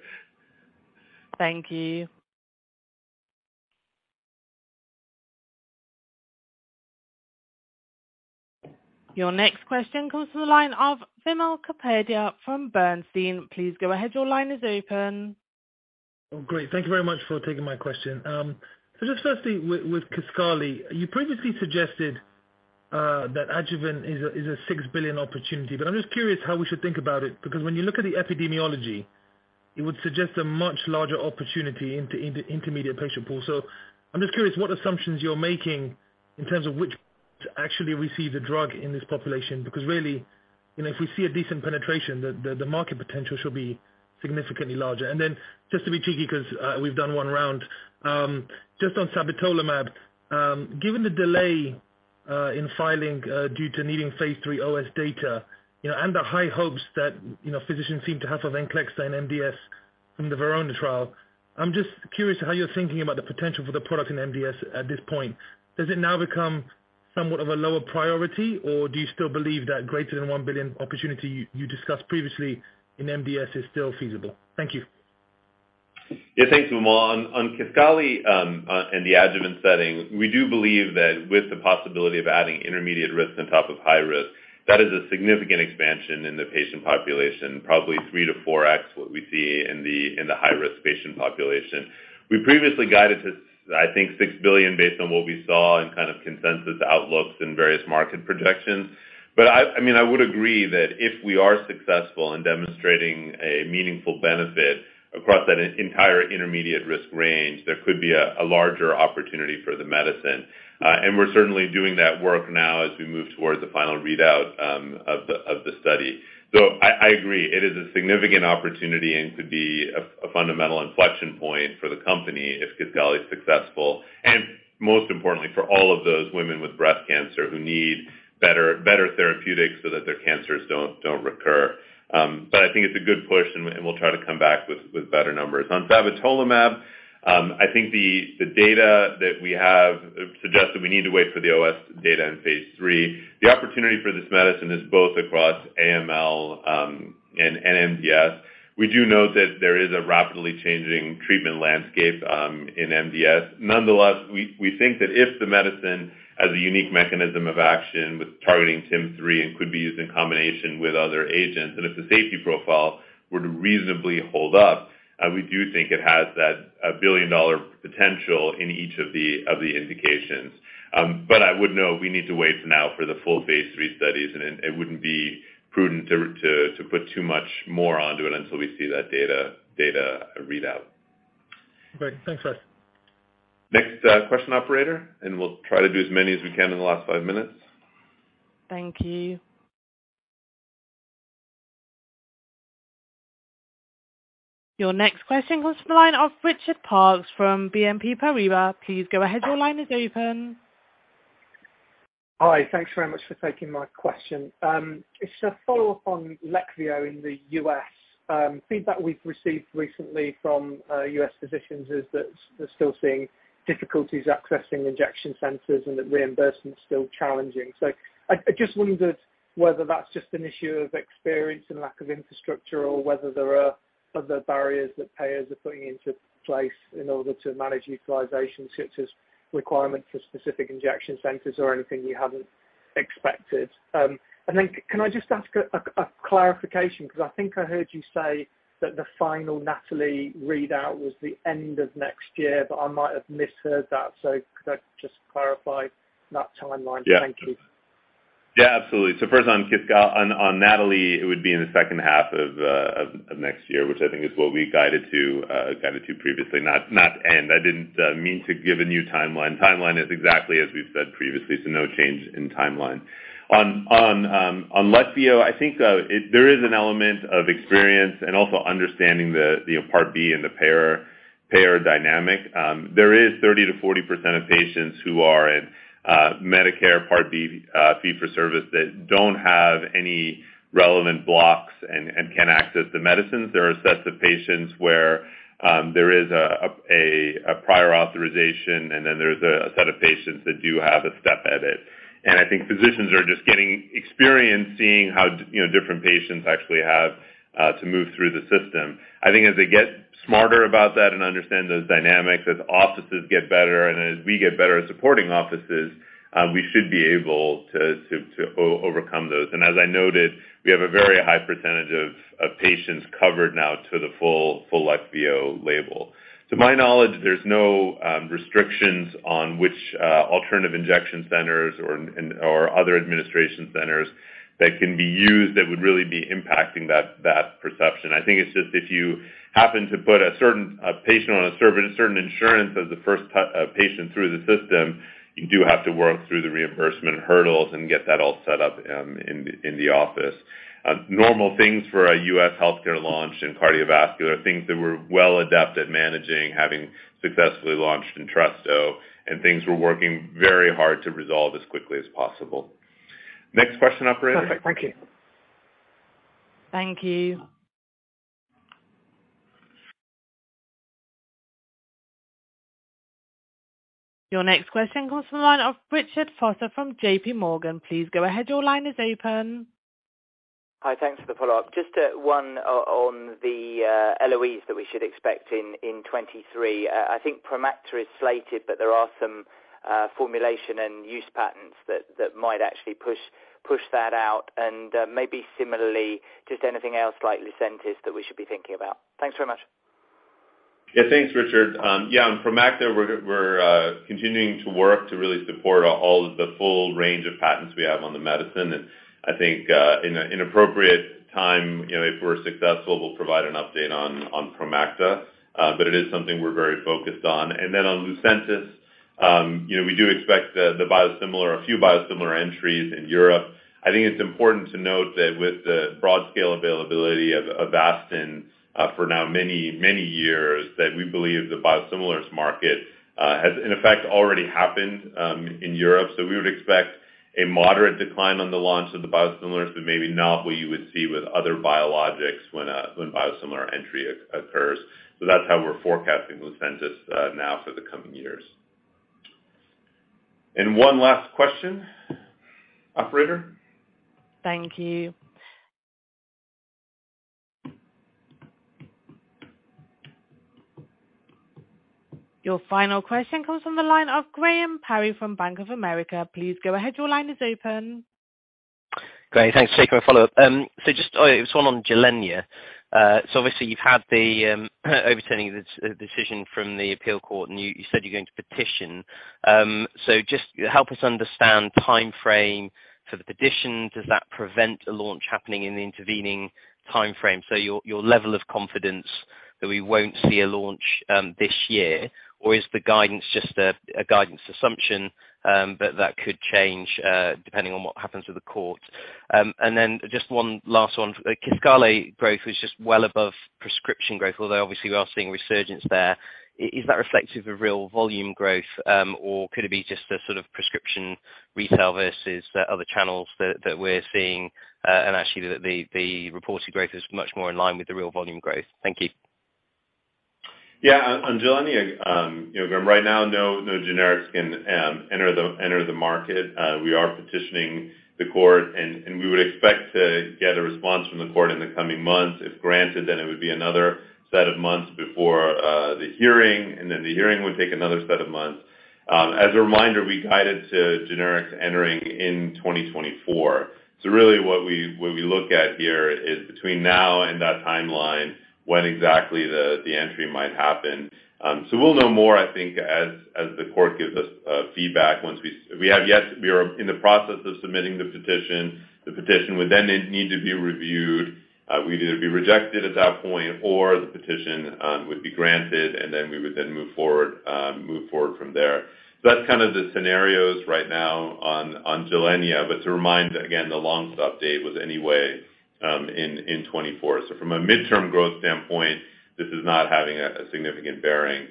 Thank you. Your next question comes from the line of Wimal Kapadia from Bernstein. Please go ahead. Your line is open. Oh, great. Thank you very much for taking my question. Just firstly with Kisqali, you previously suggested that adjuvant is a $6 billion opportunity, but I'm just curious how we should think about it, because when you look at the epidemiology, it would suggest a much larger opportunity in the intermediate patient pool. I'm just curious what assumptions you're making in terms of which actually receive the drug in this population, because really, you know, if we see a decent penetration, the market potential should be significantly larger. Just to be cheeky, 'cause we've done one round, just on sabatolimab, given the delay in filing due to needing phase 3 OS data, you know, and the high hopes that, you know, physicians seem to have for Venclexta and MDS from the VERONA trial, I'm just curious how you're thinking about the potential for the product in MDS at this point. Does it now become somewhat of a lower priority, or do you still believe that greater than $1 billion opportunity you discussed previously in MDS is still feasible? Thank you. Yeah, thanks, Wimal. On Kisqali and the adjuvant setting, we do believe that with the possibility of adding intermediate risk on top of high risk, that is a significant expansion in the patient population, probably 3-4x what we see in the high-risk patient population. We previously guided to, I think, $6 billion based on what we saw and kind of consensus outlooks and various market projections. I mean, I would agree that if we are successful in demonstrating a meaningful benefit across that entire intermediate risk range, there could be a larger opportunity for the medicine. We're certainly doing that work now as we move towards the final readout of the study. I agree, it is a significant opportunity and could be a fundamental inflection point for the company if Kisqali is successful. Most importantly, for all of those women with breast cancer who need better therapeutics so that their cancers don't recur. But I think it's a good push and we'll try to come back with better numbers. On sabatolimab, I think the data that we have suggests that we need to wait for the OS data in phase 3. The opportunity for this medicine is both across AML and MDS. We do note that there is a rapidly changing treatment landscape in MDS. Nonetheless, we think that if the medicine has a unique mechanism of action with targeting TIM-3 and could be used in combination with other agents, and if the safety profile were to reasonably hold up, we do think it has that billion-dollar potential in each of the indications. I would note we need to wait now for the full phase 3 studies, and it wouldn't be prudent to put too much more onto it until we see that data readout. Okay. Thanks, Vas. Next, question, operator, and we'll try to do as many as we can in the last five minutes. Thank you. Your next question comes from the line of Richard Parkes from BNP Paribas. Please go ahead. Your line is open. Hi. Thanks very much for taking my question. It's a follow-up on Leqvio in the U.S. Feedback we've received recently from U.S. physicians is that they're still seeing difficulties accessing injection centers and that reimbursement's still challenging. I just wondered whether that's just an issue of experience and lack of infrastructure or whether there are other barriers that payers are putting into place in order to manage utilization, such as requirements for specific injection centers or anything you haven't seen? Expected. Can I just ask a clarification? Because I think I heard you say that the final NATALEE readout was the end of next year, but I might have misheard that. Could I just clarify that timeline? Yeah. Thank you. Yeah, absolutely. First on Kisqali, on NATALEE, it would be in the second half of next year, which I think is what we guided to previously, not end. I didn't mean to give a new timeline. Timeline is exactly as we've said previously, so no change in timeline. On Leqvio, I think there is an element of experience and also understanding the, you know, Part D and the payer dynamic. There is 30%-40% of patients who are in Medicare Part D, fee-for-service that don't have any relevant blocks and can access the medicines. There are sets of patients where there is a prior authorization, and then there's a set of patients that do have a step edit. I think physicians are just getting experience seeing how you know, different patients actually have to move through the system. I think as they get smarter about that and understand those dynamics, as offices get better and as we get better at supporting offices, we should be able to overcome those. As I noted, we have a very high percentage of patients covered now to the full Leqvio label. To my knowledge, there's no restrictions on which alternative injection centers or other administration centers that can be used that would really be impacting that perception. I think it's just if you happen to put a certain patient on a certain insurance as the first patient through the system, you do have to work through the reimbursement hurdles and get that all set up in the office. Normal things for a U.S. healthcare launch in cardiovascular, things that we're well adept at managing, having successfully launched Entresto, and things we're working very hard to resolve as quickly as possible. Next question, operator. Perfect. Thank you. Thank you. Your next question comes from the line of Richard Vosser from J.P. Morgan. Please go ahead. Your line is open. Hi. Thanks for the follow-up. Just one on the LOEs that we should expect in 2023. I think Promacta is slated that there are some formulation and use patents that might actually push that out. Maybe similarly, just anything else like Lucentis that we should be thinking about. Thanks very much. Yeah, thanks, Richard. Yeah, on Promacta, we're continuing to work to really support all the full range of patents we have on the medicine. I think, in an appropriate time, you know, if we're successful, we'll provide an update on Promacta. But it is something we're very focused on. Then on Lucentis, you know, we do expect the biosimilar, a few biosimilar entries in Europe. I think it's important to note that with the broad scale availability of Avastin for now many years, that we believe the biosimilars market has in effect already happened in Europe. We would expect a moderate decline on the launch of the biosimilars, but maybe not what you would see with other biologics when biosimilar entry occurs. That's how we're forecasting Lucentis now for the coming years. One last question, operator. Thank you. Your final question comes from the line of Graham Parry from Bank of America. Please go ahead. Your line is open. Great. Thanks. Yeah. Jake, my follow-up. It was one on Gilenya. Obviously you've had the overturning the decision from the appeal court, and you said you're going to petition. Just help us understand timeframe for the petition. Does that prevent a launch happening in the intervening timeframe? Your level of confidence that we won't see a launch this year, or is the guidance just a guidance assumption but that could change depending on what happens with the court? Then just one last one. Kisqali growth was just well above prescription growth, although obviously we are seeing resurgence there. Is that reflective of real volume growth, or could it be just a sort of prescription retail versus the other channels that we're seeing, and actually the reported growth is much more in line with the real volume growth? Thank you. On Gilenya, Graham, right now, no generics can enter the market. We are petitioning the court, and we would expect to get a response from the court in the coming months. If granted, then it would be another set of months before the hearing, and then the hearing would take another set of months. As a reminder, we guided to generics entering in 2024. Really what we look at here is between now and that timeline, when exactly the entry might happen. We'll know more, I think, as the court gives us feedback once we are in the process of submitting the petition. The petition would then need to be reviewed. We'd either be rejected at that point or the petition would be granted, and then we would move forward from there. That's kind of the scenarios right now on Gilenya. To remind, again, the long stop date was anyway in 2024. From a midterm growth standpoint, this is not having a significant bearing.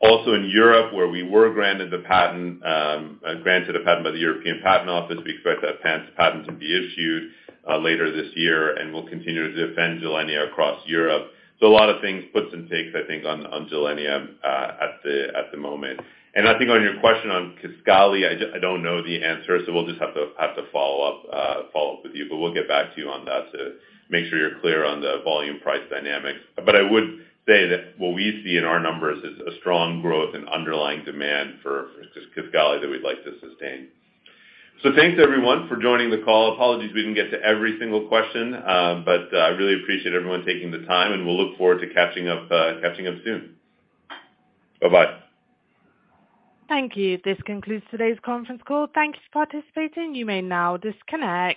Also in Europe, where we were granted a patent by the European Patent Office, we expect that patent to be issued later this year, and we'll continue to defend Gilenya across Europe. A lot of things, puts and takes, I think on Gilenya at the moment. I think on your question on Kisqali, I don't know the answer, so we'll just have to follow up with you, but we'll get back to you on that to make sure you're clear on the volume price dynamics. I would say that what we see in our numbers is a strong growth and underlying demand for Kisqali that we'd like to sustain. Thanks everyone for joining the call. Apologies we didn't get to every single question, but I really appreciate everyone taking the time, and we'll look forward to catching up soon. Bye-bye. Thank you. This concludes today's conference call. Thank you for participating. You may now disconnect.